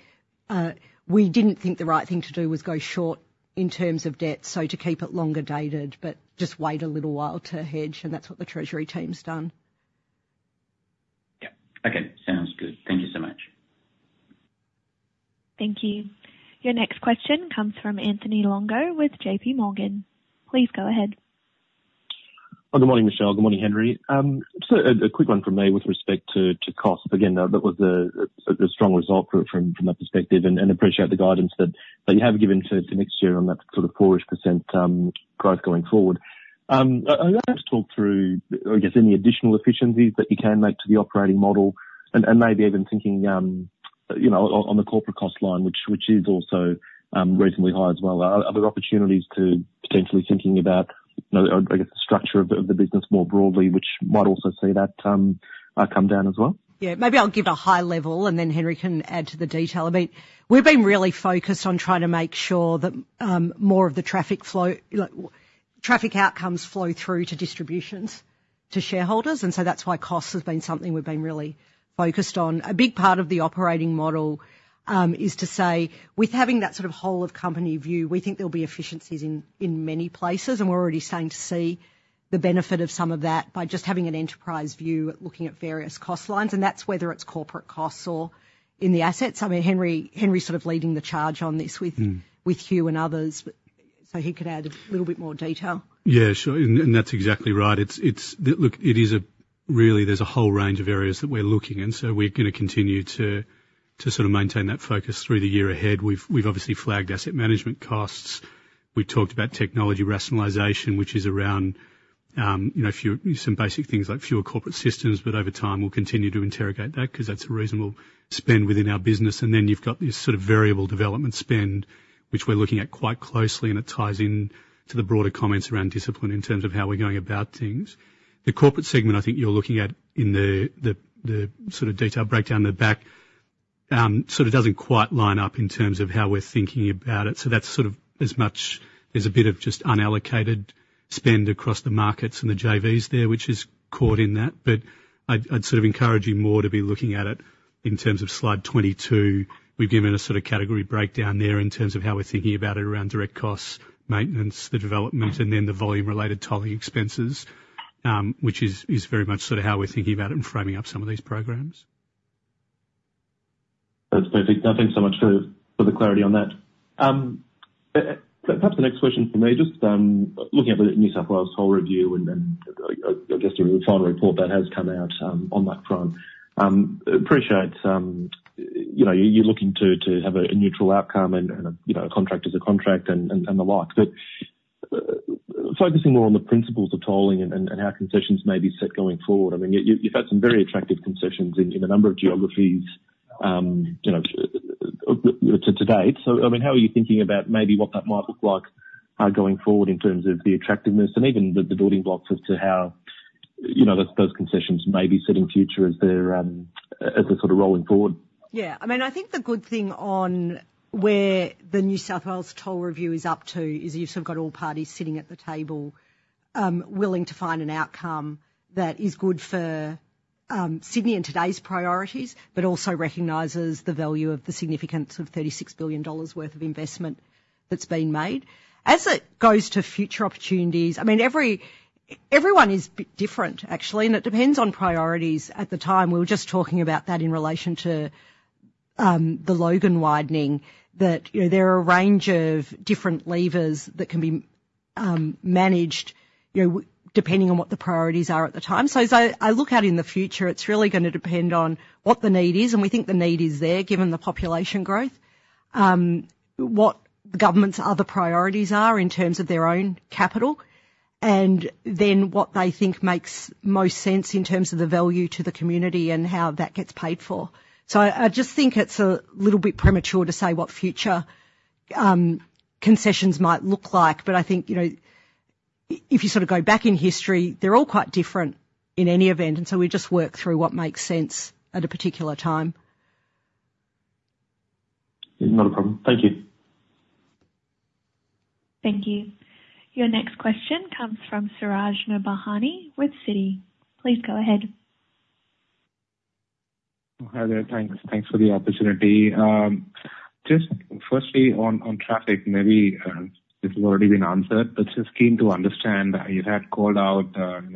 we didn't think the right thing to do was go short in terms of debt, so to keep it longer dated, but just wait a little while to hedge, and that's what the treasury team's done. Yeah. Okay, sounds good. Thank you so much. Thank you. Your next question comes from Anthony Longo with JPMorgan. Please go ahead. Well, good morning, Michelle. Good morning, Henry. So a quick one from me with respect to cost. Again, that was a strong result from that perspective, and appreciate the guidance that you have given to next year on that sort of 4%-ish growth going forward. I'd like to talk through, I guess, any additional efficiencies that you can make to the operating model and maybe even thinking, you know, on the corporate cost line, which is also reasonably high as well. Are there opportunities to potentially thinking about, you know, I guess, the structure of the business more broadly, which might also see that come down as well? Yeah, maybe I'll give a high level, and then Henry can add to the detail. I mean, we've been really focused on trying to make sure that more of the traffic flow, like traffic outcomes flow through to distributions to shareholders, and so that's why cost has been something we've been really focused on. A big part of the operating model is to say, with having that sort of whole of company view, we think there'll be efficiencies in many places, and we're already starting to see the benefit of some of that by just having an enterprise view at looking at various cost lines, and that's whether it's corporate costs or in the assets. I mean, Henry's sort of leading the charge on this with- Mm. with you and others so he could add a little bit more detail. Yeah, sure. And, and that's exactly right. It's, look, it is a really, there's a whole range of areas that we're looking in, so we're gonna continue to, to sort of maintain that focus through the year ahead. We've, we've obviously flagged asset management costs. We've talked about technology rationalization, which is around, you know, few, some basic things like fewer corporate systems, but over time, we'll continue to interrogate that, 'cause that's a reasonable spend within our business. And then you've got this sort of variable development spend, which we're looking at quite closely, and it ties in to the broader comments around discipline in terms of how we're going about things. The corporate segment, I think you're looking at in the sort of detail breakdown in the back, sort of doesn't quite line up in terms of how we're thinking about it, so that's sort of as much, there's a bit of just unallocated spend across the markets and the JVs there, which is caught in that. But I'd sort of encourage you more to be looking at it in terms of slide 22. We've given a sort of category breakdown there in terms of how we're thinking about it around direct costs, maintenance, the development, and then the volume-related tolling expenses, which is very much sort of how we're thinking about it and framing up some of these programs. That's perfect. Thanks so much for the clarity on that. Perhaps the next question for me, just looking at the New South Wales Toll Review and then, I guess, the final report that has come out on that front. Appreciate, you know, you're looking to have a neutral outcome and, you know, a contract is a contract and the like. But focusing more on the principles of tolling and how concessions may be set going forward, I mean, you, you've had some very attractive concessions in a number of geographies, you know, to date. I mean, how are you thinking about maybe what that might look like, going forward in terms of the attractiveness and even the, the building blocks as to how, you know, those, those concessions may be set in future as they're, as they're sort of rolling forward? Yeah. I mean, I think the good thing on where the New South Wales Toll Review is up to, is you've sort of got all parties sitting at the table, willing to find an outcome that is good for Sydney and today's priorities, but also recognizes the value of the significance of 36 billion dollars worth of investment that's been made. As it goes to future opportunities, I mean, everyone is bit different, actually, and it depends on priorities at the time. We were just talking about that in relation to the Logan widening, that, you know, there are a range of different levers that can be managed, you know, depending on what the priorities are at the time. So as I look out in the future, it's really gonna depend on what the need is, and we think the need is there, given the population growth. What the government's other priorities are in terms of their own capital, and then what they think makes most sense in terms of the value to the community and how that gets paid for. So I just think it's a little bit premature to say what future concessions might look like, but I think, you know, if you sort of go back in history, they're all quite different in any event, and so we just work through what makes sense at a particular time. Not a problem. Thank you. Thank you. Your next question comes from Suraj Nebhani with Citi. Please go ahead. Hi there. Thanks, thanks for the opportunity. Just firstly, on traffic, maybe this has already been answered, but just keen to understand, you had called out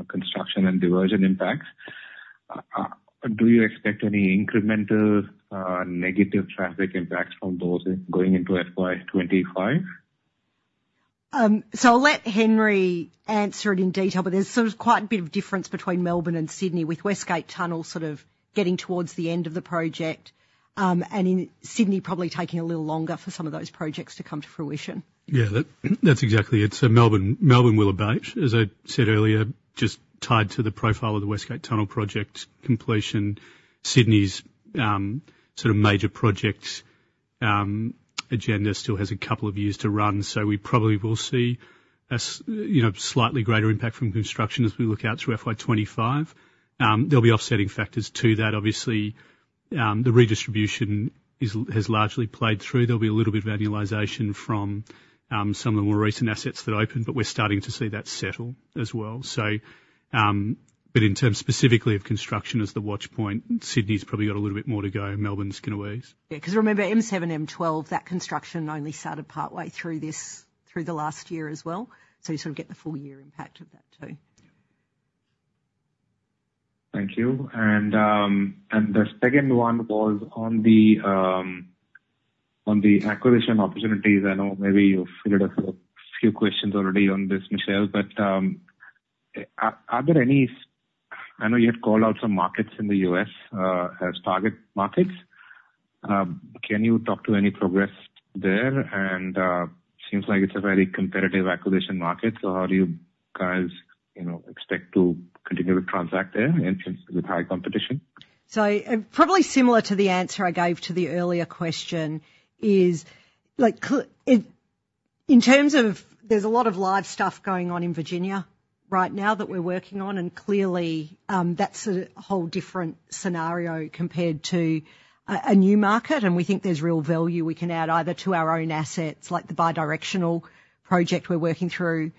construction and diversion impacts. Do you expect any incremental negative traffic impacts from those going into FY 2025? So, I'll let Henry answer it in detail, but there's sort of quite a bit of difference between Melbourne and Sydney, with West Gate Tunnel sort of getting towards the end of the project. And in Sydney, probably taking a little longer for some of those projects to come to fruition. Yeah, that's exactly it. So Melbourne, Melbourne, will abate, as I said earlier, just tied to the profile of the West Gate Tunnel project completion. Sydney's sort of major projects agenda still has a couple of years to run, so we probably will see you know, slightly greater impact from construction as we look out through FY 2025. There'll be offsetting factors to that. Obviously, the redistribution has largely played through. There'll be a little bit of annualization from some of the more recent assets that opened, but we're starting to see that settle as well. So, but in terms specifically of construction as the watch point, Sydney's probably got a little bit more to go. Melbourne's gonna ease. Yeah, because remember, M7-M12, that construction only started partway through this, through the last year as well. So you sort of get the full year impact of that, too. Thank you. And the second one was on the acquisition opportunities. I know maybe you've fielded a few questions already on this, Michelle, but are there any? I know you had called out some markets in the U.S. as target markets. Can you talk to any progress there? And seems like it's a very competitive acquisition market, so how do you guys, you know, expect to continue to transact there and with high competition? So probably similar to the answer I gave to the earlier question, is like in, in terms of there's a lot of live stuff going on in Virginia right now that we're working on, and clearly, that's a whole different scenario compared to a new market, and we think there's real value we can add either to our own assets, like the bidirectional project we're working through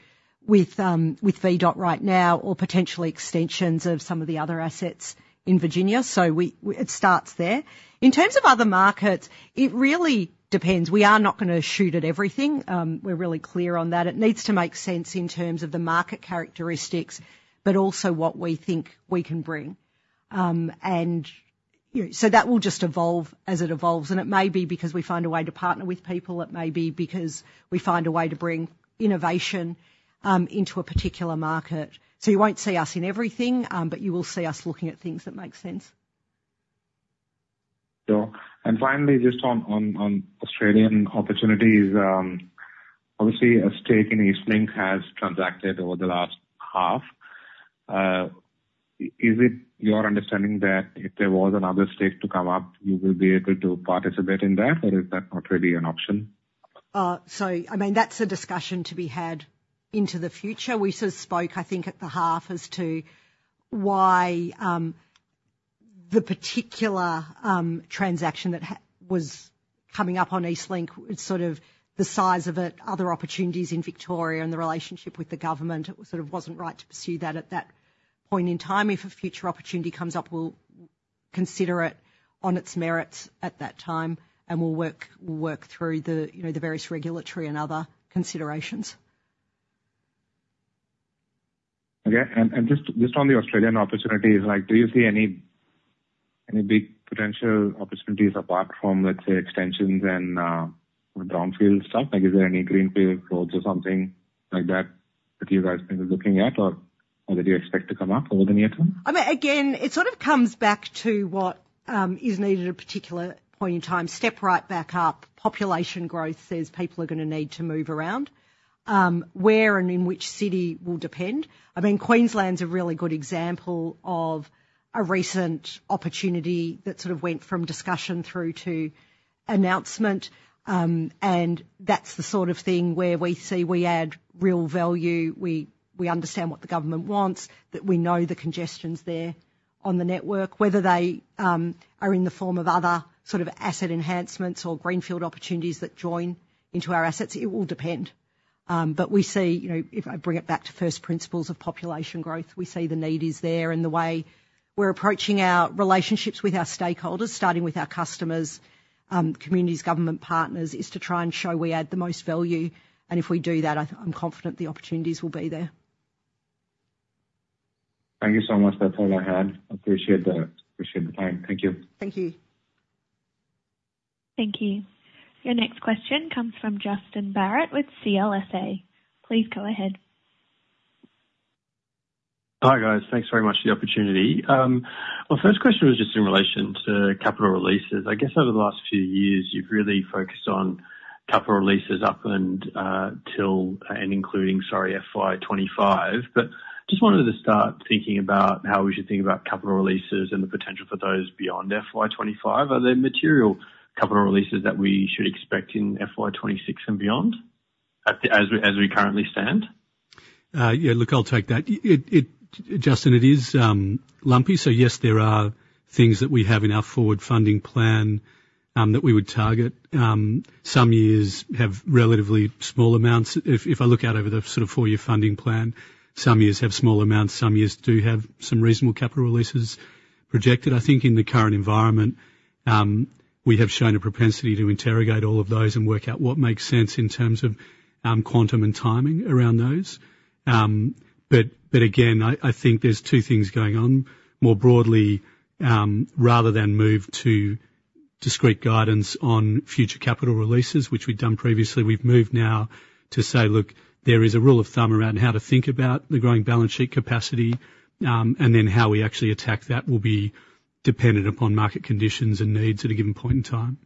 with VDOT right now, or potentially extensions of some of the other assets in Virginia. So it starts there. In terms of other markets, it really depends. We are not gonna shoot at everything. We're really clear on that. It needs to make sense in terms of the market characteristics, but also what we think we can bring. and so that will just evolve as it evolves, and it may be because we find a way to partner with people, it may be because we find a way to bring innovation into a particular market. So you won't see us in everything, but you will see us looking at things that make sense. Sure. And finally, just on Australian opportunities, obviously, a stake in EastLink has transacted over the last half. Is it your understanding that if there was another stake to come up, you will be able to participate in that, or is that not really an option? So I mean, that's a discussion to be had into the future. We sort of spoke, I think, at the half, as to why, the particular, transaction that was coming up on EastLink, sort of the size of it, other opportunities in Victoria and the relationship with the government, it sort of wasn't right to pursue that at that point in time. If a future opportunity comes up, we'll consider it on its merits at that time, and we'll work, we'll work through the, you know, the various regulatory and other considerations. Okay, just on the Australian opportunities, like, do you see any big potential opportunities apart from, let's say, extensions and brownfield stuff? Like, is there any greenfield roads or something like that, that you guys may be looking at or that you expect to come up over the near term? I mean, again, it sort of comes back to what is needed at a particular point in time. Step right back up. Population growth says people are gonna need to move around. Where and in which city will depend. I mean, Queensland's a really good example of a recent opportunity that sort of went from discussion through to announcement, and that's the sort of thing where we see we add real value. We, we understand what the government wants, that we know the congestion's there on the network. Whether they are in the form of other sort of asset enhancements or greenfield opportunities that join into our assets, it will depend. But we see, you know, if I bring it back to first principles of population growth, we see the need is there and the way we're approaching our relationships with our stakeholders, starting with our customers, communities, government partners, is to try and show we add the most value, and if we do that, I'm confident the opportunities will be there. Thank you so much. That's all I had. Appreciate the time. Thank you. Thank you. Thank you. Your next question comes from Justin Barratt with CLSA. Please go ahead. Hi, guys. Thanks very much for the opportunity. My first question was just in relation to capital releases. I guess over the last few years, you've really focused on capital releases up to and including FY 2025. But just wanted to start thinking about how we should think about capital releases and the potential for those beyond FY 2025. Are there material capital releases that we should expect in FY 2026 and beyond, as we currently stand? Yeah, look, I'll take that. It, Justin, it is lumpy, so yes, there are things that we have in our forward funding plan that we would target. Some years have relatively small amounts. If I look out over the sort of four-year funding plan, some years have small amounts, some years do have some reasonable capital releases projected. I think in the current environment, we have shown a propensity to interrogate all of those and work out what makes sense in terms of quantum and timing around those. But again, I think there's two things going on more broadly, rather than move to discrete guidance on future capital releases, which we've done previously, we've moved now to say, look, there is a rule of thumb around how to think about the growing balance sheet capacity, and then how we actually attack that will be dependent upon market conditions and needs at a given point in time.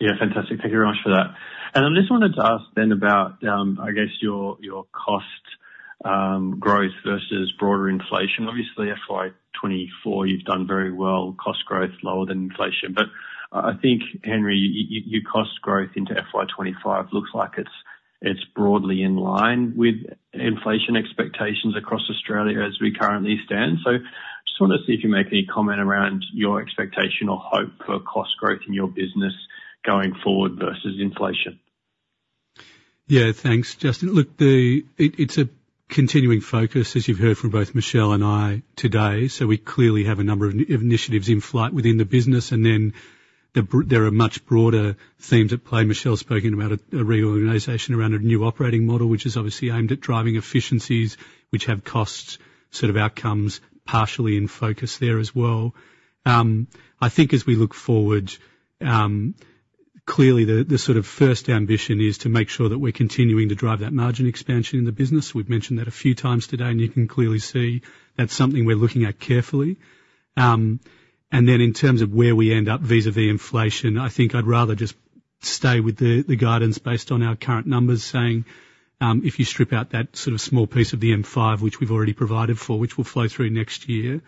Yeah, fantastic. Thank you very much for that. I just wanted to ask then about, I guess your cost growth versus broader inflation. Obviously, FY 2024, you've done very well, cost growth lower than inflation. But I think, Henry, your cost growth into FY 2025 looks like it's broadly in line with inflation expectations across Australia as we currently stand. Just wanted to see if you make any comment around your expectation or hope for cost growth in your business going forward versus inflation. Yeah, thanks, Justin. Look, it's a continuing focus, as you've heard from both Michelle and I today, so we clearly have a number of initiatives in flight within the business, and then there are much broader themes at play. Michelle spoken about a reorganization around a new operating model, which is obviously aimed at driving efficiencies, which have cost sort of outcomes, partially in focus there as well. I think as we look forward, clearly, the sort of first ambition is to make sure that we're continuing to drive that margin expansion in the business. We've mentioned that a few times today, and you can clearly see that's something we're looking at carefully. And then in terms of where we end up vis-a-vis inflation, I think I'd rather just stay with the, the guidance based on our current numbers, saying, if you strip out that sort of small piece of the M5, which we've already provided for, which will flow through next year,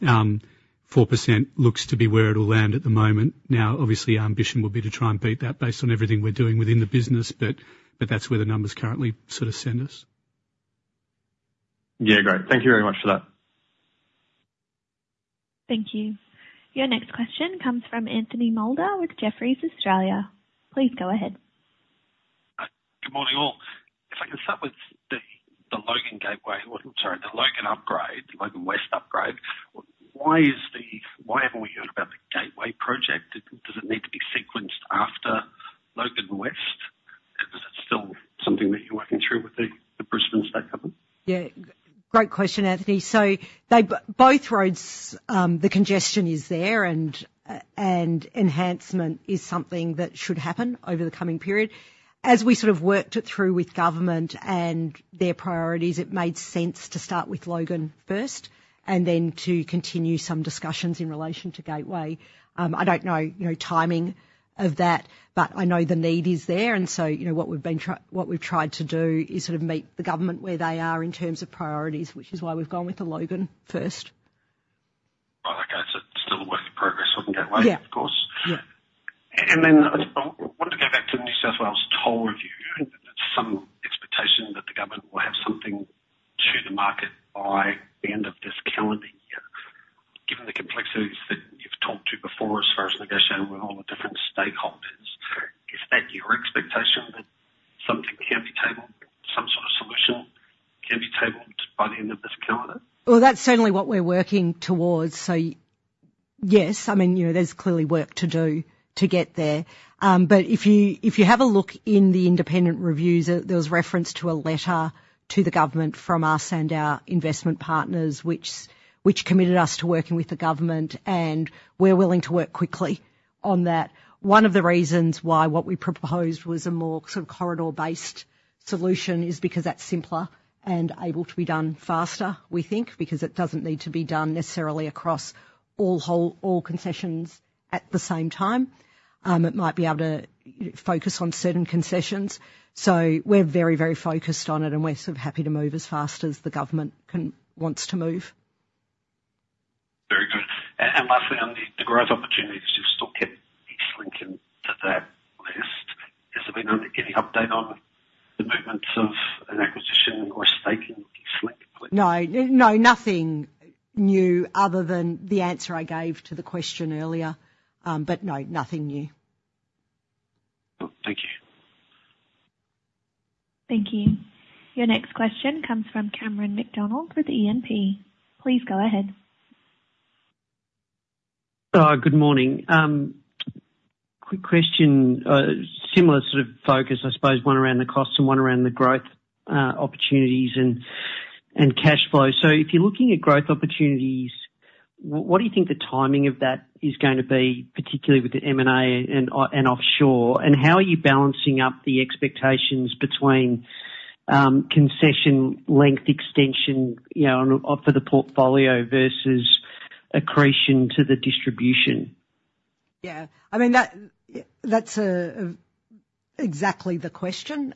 4% looks to be where it will land at the moment. Now, obviously, our ambition will be to try and beat that based on everything we're doing within the business, but, but that's where the numbers currently sort of send us. Yeah, great. Thank you very much for that. Thank you. Your next question comes from Anthony Moulder with Jefferies Australia. Please go ahead. Good morning, all. If I can start with the Logan Gateway, or sorry, the Logan upgrade, Logan West Upgrade. Why haven't we heard about the Gateway project? Does it need to be sequenced after Logan West? Is it still something that you're working through with the Brisbane State Government? Yeah, great question, Anthony. So both roads, the congestion is there, and enhancement is something that should happen over the coming period. As we sort of worked it through with government and their priorities, it made sense to start with Logan first, and then to continue some discussions in relation to Gateway. I don't know, you know, timing of that, but I know the need is there, and so, you know, what we've tried to do is sort of meet the government where they are in terms of priorities, which is why we've gone with the Logan first. Okay, so still a work in progress on Gateway- Yeah. -of course? Yeah. And then I wanted to go back to the New South Wales Toll Review. There's some expectation that the government will have something to the market by the end of this calendar year. Given the complexities that you've talked to before, as far as negotiating with all the different stakeholders, is that your expectation, that something can be tabled, some sort of solution can be tabled by the end of this calendar? Well, that's certainly what we're working towards, so yes. I mean, you know, there's clearly work to do to get there. But if you, if you have a look in the independent reviews, there was reference to a letter to the government from us and our investment partners, which, which committed us to working with the government, and we're willing to work quickly on that. One of the reasons why what we proposed was a more sort of corridor-based solution is because that's simpler and able to be done faster, we think, because it doesn't need to be done necessarily across all whole, all concessions at the same time. It might be able to focus on certain concessions. So we're very, very focused on it, and we're sort of happy to move as fast as the government can- wants to move. Very good. And lastly, on the growth opportunities, you've still kept EastLink into that list. Has there been any update on the movements of an acquisition or stake in EastLink? No. No, nothing new, other than the answer I gave to the question earlier. But no, nothing new. Cool. Thank you. Thank you. Your next question comes from Cameron McDonald with E&P. Please go ahead. Good morning. Quick question, similar sort of focus, I suppose, one around the costs and one around the growth, opportunities and, and cash flow. So if you're looking at growth opportunities, what do you think the timing of that is going to be, particularly with the M&A and, and offshore? And how are you balancing up the expectations between, concession length extension, you know, on, off of the portfolio versus accretion to the distribution? Yeah, I mean, that's exactly the question.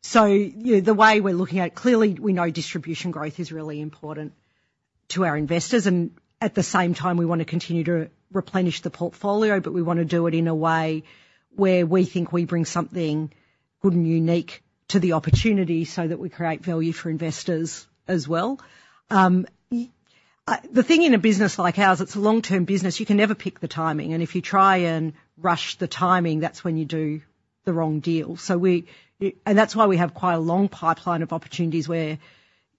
So you know, the way we're looking at it, clearly, we know distribution growth is really important to our investors, and at the same time, we want to continue to replenish the portfolio, but we want to do it in a way where we think we bring something good and unique to the opportunity so that we create value for investors as well. The thing in a business like ours, it's a long-term business. You can never pick the timing, and if you try and rush the timing, that's when you do the wrong deal. And that's why we have quite a long pipeline of opportunities where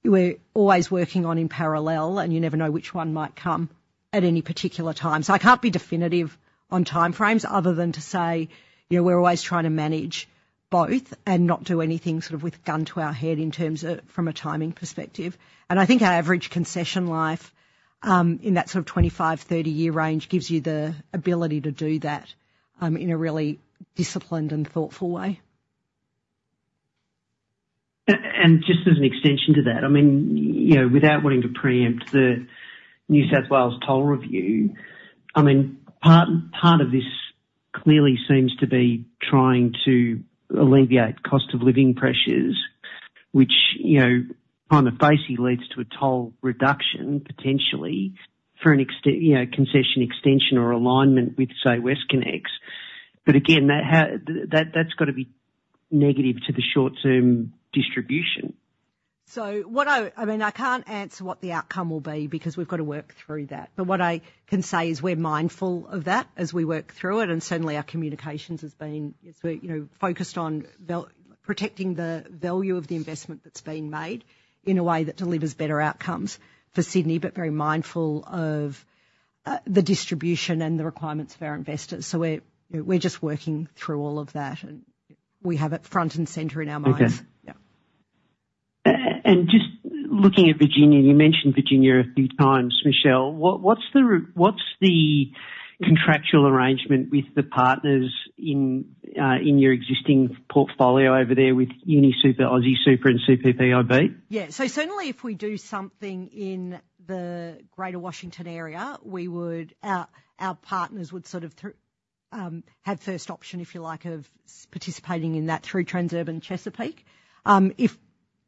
we're always working on in parallel, and you never know which one might come at any particular time. I can't be definitive on time frames other than to say, you know, we're always trying to manage both and not do anything sort of with a gun to our head in terms of from a timing perspective. I think our average concession life in that sort of 25-30-year range gives you the ability to do that in a really disciplined and thoughtful way. And just as an extension to that, I mean, you know, without wanting to preempt the New South Wales Toll Review, I mean, part of this clearly seems to be trying to alleviate cost of living pressures, which, you know, on the face, leads to a toll reduction, potentially for an extension, you know, concession extension or alignment with, say, WestConnex. But again, that, that's got to be negative to the short-term distribution. So, I mean, I can't answer what the outcome will be because we've got to work through that. But what I can say is we're mindful of that as we work through it, and certainly, our communications has been, you know, focused on protecting the value of the investment that's being made in a way that delivers better outcomes for Sydney, but very mindful of the distribution and the requirements of our investors. So we're just working through all of that, and we have it front and center in our minds. Okay. Yeah. And just looking at Virginia, you mentioned Virginia a few times, Michelle. What's the contractual arrangement with the partners in your existing portfolio over there with UniSuper, Aussie Super, and CPPIB? Yeah. So certainly, if we do something in the Greater Washington area, we would. Our partners would sort of through have first option, if you like, of participating in that through Transurban Chesapeake. If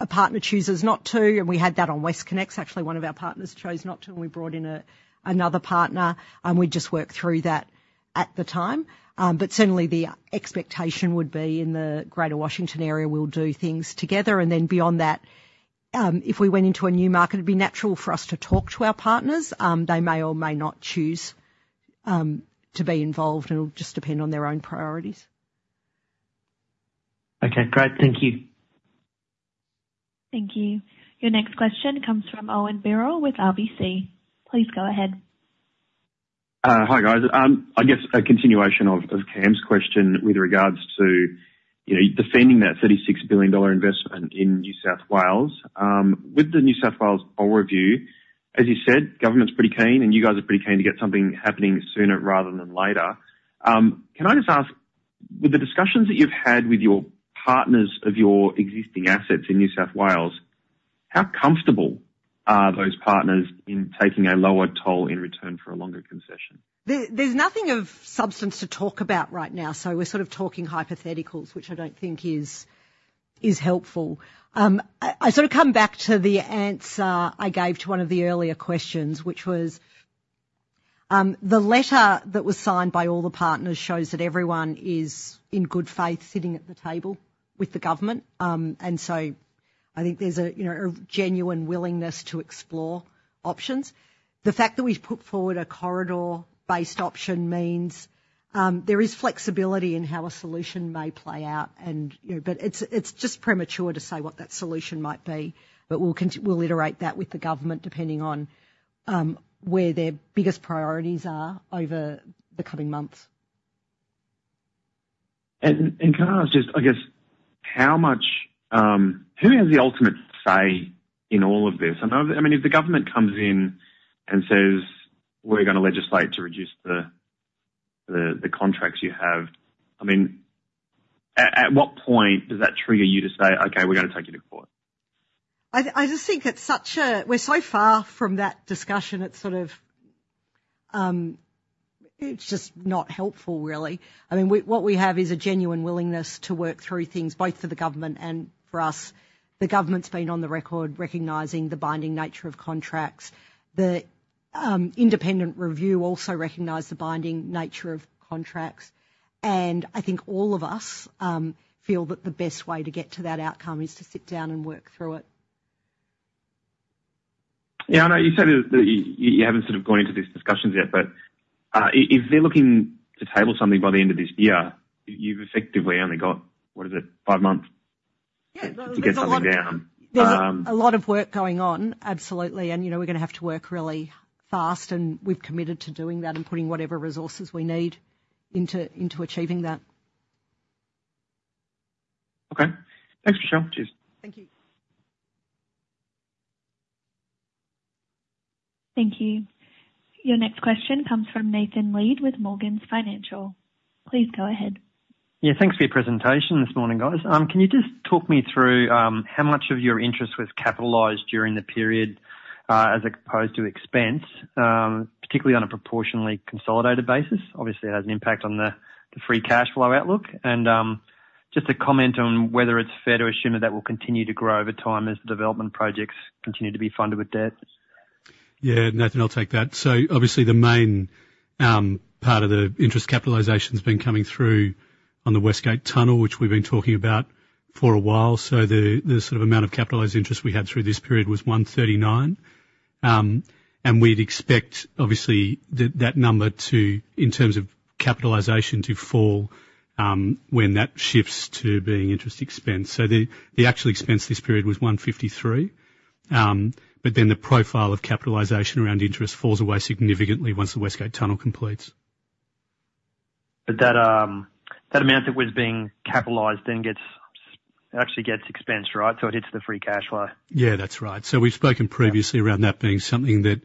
a partner chooses not to, and we had that on WestConnex. Actually, one of our partners chose not to, and we brought in another partner, and we just worked through that at the time. But certainly, the expectation would be in the Greater Washington area, we'll do things together, and then beyond that, if we went into a new market, it'd be natural for us to talk to our partners. They may or may not choose to be involved, and it'll just depend on their own priorities. Okay, great. Thank you. Thank you. Your next question comes from Owen Birrell with RBC. Please go ahead. Hi, guys. I guess a continuation of Cam's question with regards to, you know, defending that 36 billion dollar investment in New South Wales. With the New South Wales Toll Review, as you said, government's pretty keen, and you guys are pretty keen to get something happening sooner rather than later. Can I just ask, with the discussions that you've had with your partners of your existing assets in New South Wales, how comfortable are those partners in taking a lower toll in return for a longer concession? There's nothing of substance to talk about right now, so we're sort of talking hypotheticals, which I don't think is helpful. I sort of come back to the answer I gave to one of the earlier questions, which was, the letter that was signed by all the partners shows that everyone is in good faith sitting at the table with the government. And so I think there's a, you know, a genuine willingness to explore options. The fact that we've put forward a corridor-based option means, there is flexibility in how a solution may play out and, you know, but it's just premature to say what that solution might be. But we'll iterate that with the government, depending on, where their biggest priorities are over the coming months. Can I ask just, I guess, how much? Who has the ultimate say in all of this? I know, I mean, if the government comes in and says, "We're gonna legislate to reduce the contracts you have," I mean, at what point does that trigger you to say, "Okay, we're gonna take you to court? I just think we're so far from that discussion, it's sort of, it's just not helpful, really. I mean, what we have is a genuine willingness to work through things, both for the government and for us. The government's been on the record recognizing the binding nature of contracts. The independent review also recognized the binding nature of contracts, and I think all of us feel that the best way to get to that outcome is to sit down and work through it. Yeah, I know you said that, that you, you haven't sort of gone into these discussions yet, but, if they're looking to table something by the end of this year, you've effectively only got, what is it? Five months- Yeah. to get something down. There's a lot of work going on. Absolutely, and, you know, we're gonna have to work really fast, and we've committed to doing that and putting whatever resources we need into achieving that. Okay, thanks, Michelle. Cheers. Thank you. Thank you. Your next question comes from Nathan Lead with Morgans Financial. Please go ahead. Yeah, thanks for your presentation this morning, guys. Can you just talk me through, how much of your interest was capitalized during the period, as opposed to expense, particularly on a proportionally consolidated basis? Obviously, it has an impact on the, the free cash flow outlook. Just a comment on whether it's fair to assume that that will continue to grow over time as the development projects continue to be funded with debt. Yeah, Nathan, I'll take that. So obviously, the main part of the interest capitalization has been coming through on the West Gate Tunnel, which we've been talking about for a while. So the sort of amount of capitalized interest we had through this period was 139 million. And we'd expect, obviously, that number to, in terms of capitalization, to fall, when that shifts to being interest expense. So the actual expense this period was 153 million. But then the profile of capitalization around interest falls away significantly once the West Gate Tunnel completes. But that, that amount that was being capitalized then gets, actually gets expensed, right? So it hits the free cash flow. Yeah, that's right. So we've spoken previously around that being something that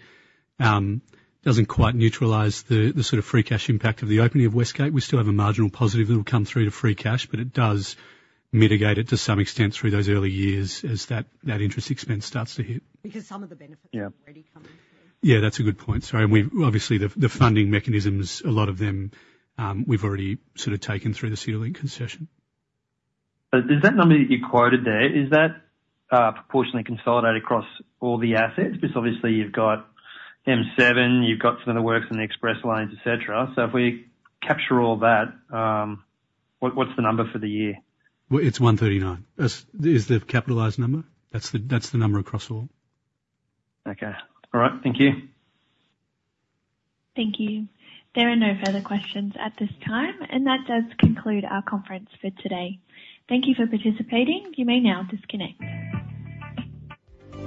doesn't quite neutralize the, the sort of free cash impact of the opening of West Gate. We still have a marginal positive that will come through to free cash, but it does mitigate it to some extent through those early years as that, that interest expense starts to hit. Because some of the benefits- Yeah. are already coming through. Yeah, that's a good point. Sorry, and we've obviously the funding mechanisms, a lot of them, we've already sort of taken through the CityLink concession. But does that number that you quoted there, is that proportionally consolidated across all the assets? Because obviously you've got M7, you've got some of the works in the Express Lanes, et cetera. So if we capture all that, what, what's the number for the year? Well, it's 139 million. As this is the capitalized number. That's the, that's the number across the board. Okay. All right. Thank you. Thank you. There are no further questions at this time, and that does conclude our conference for today. Thank you for participating. You may now disconnect.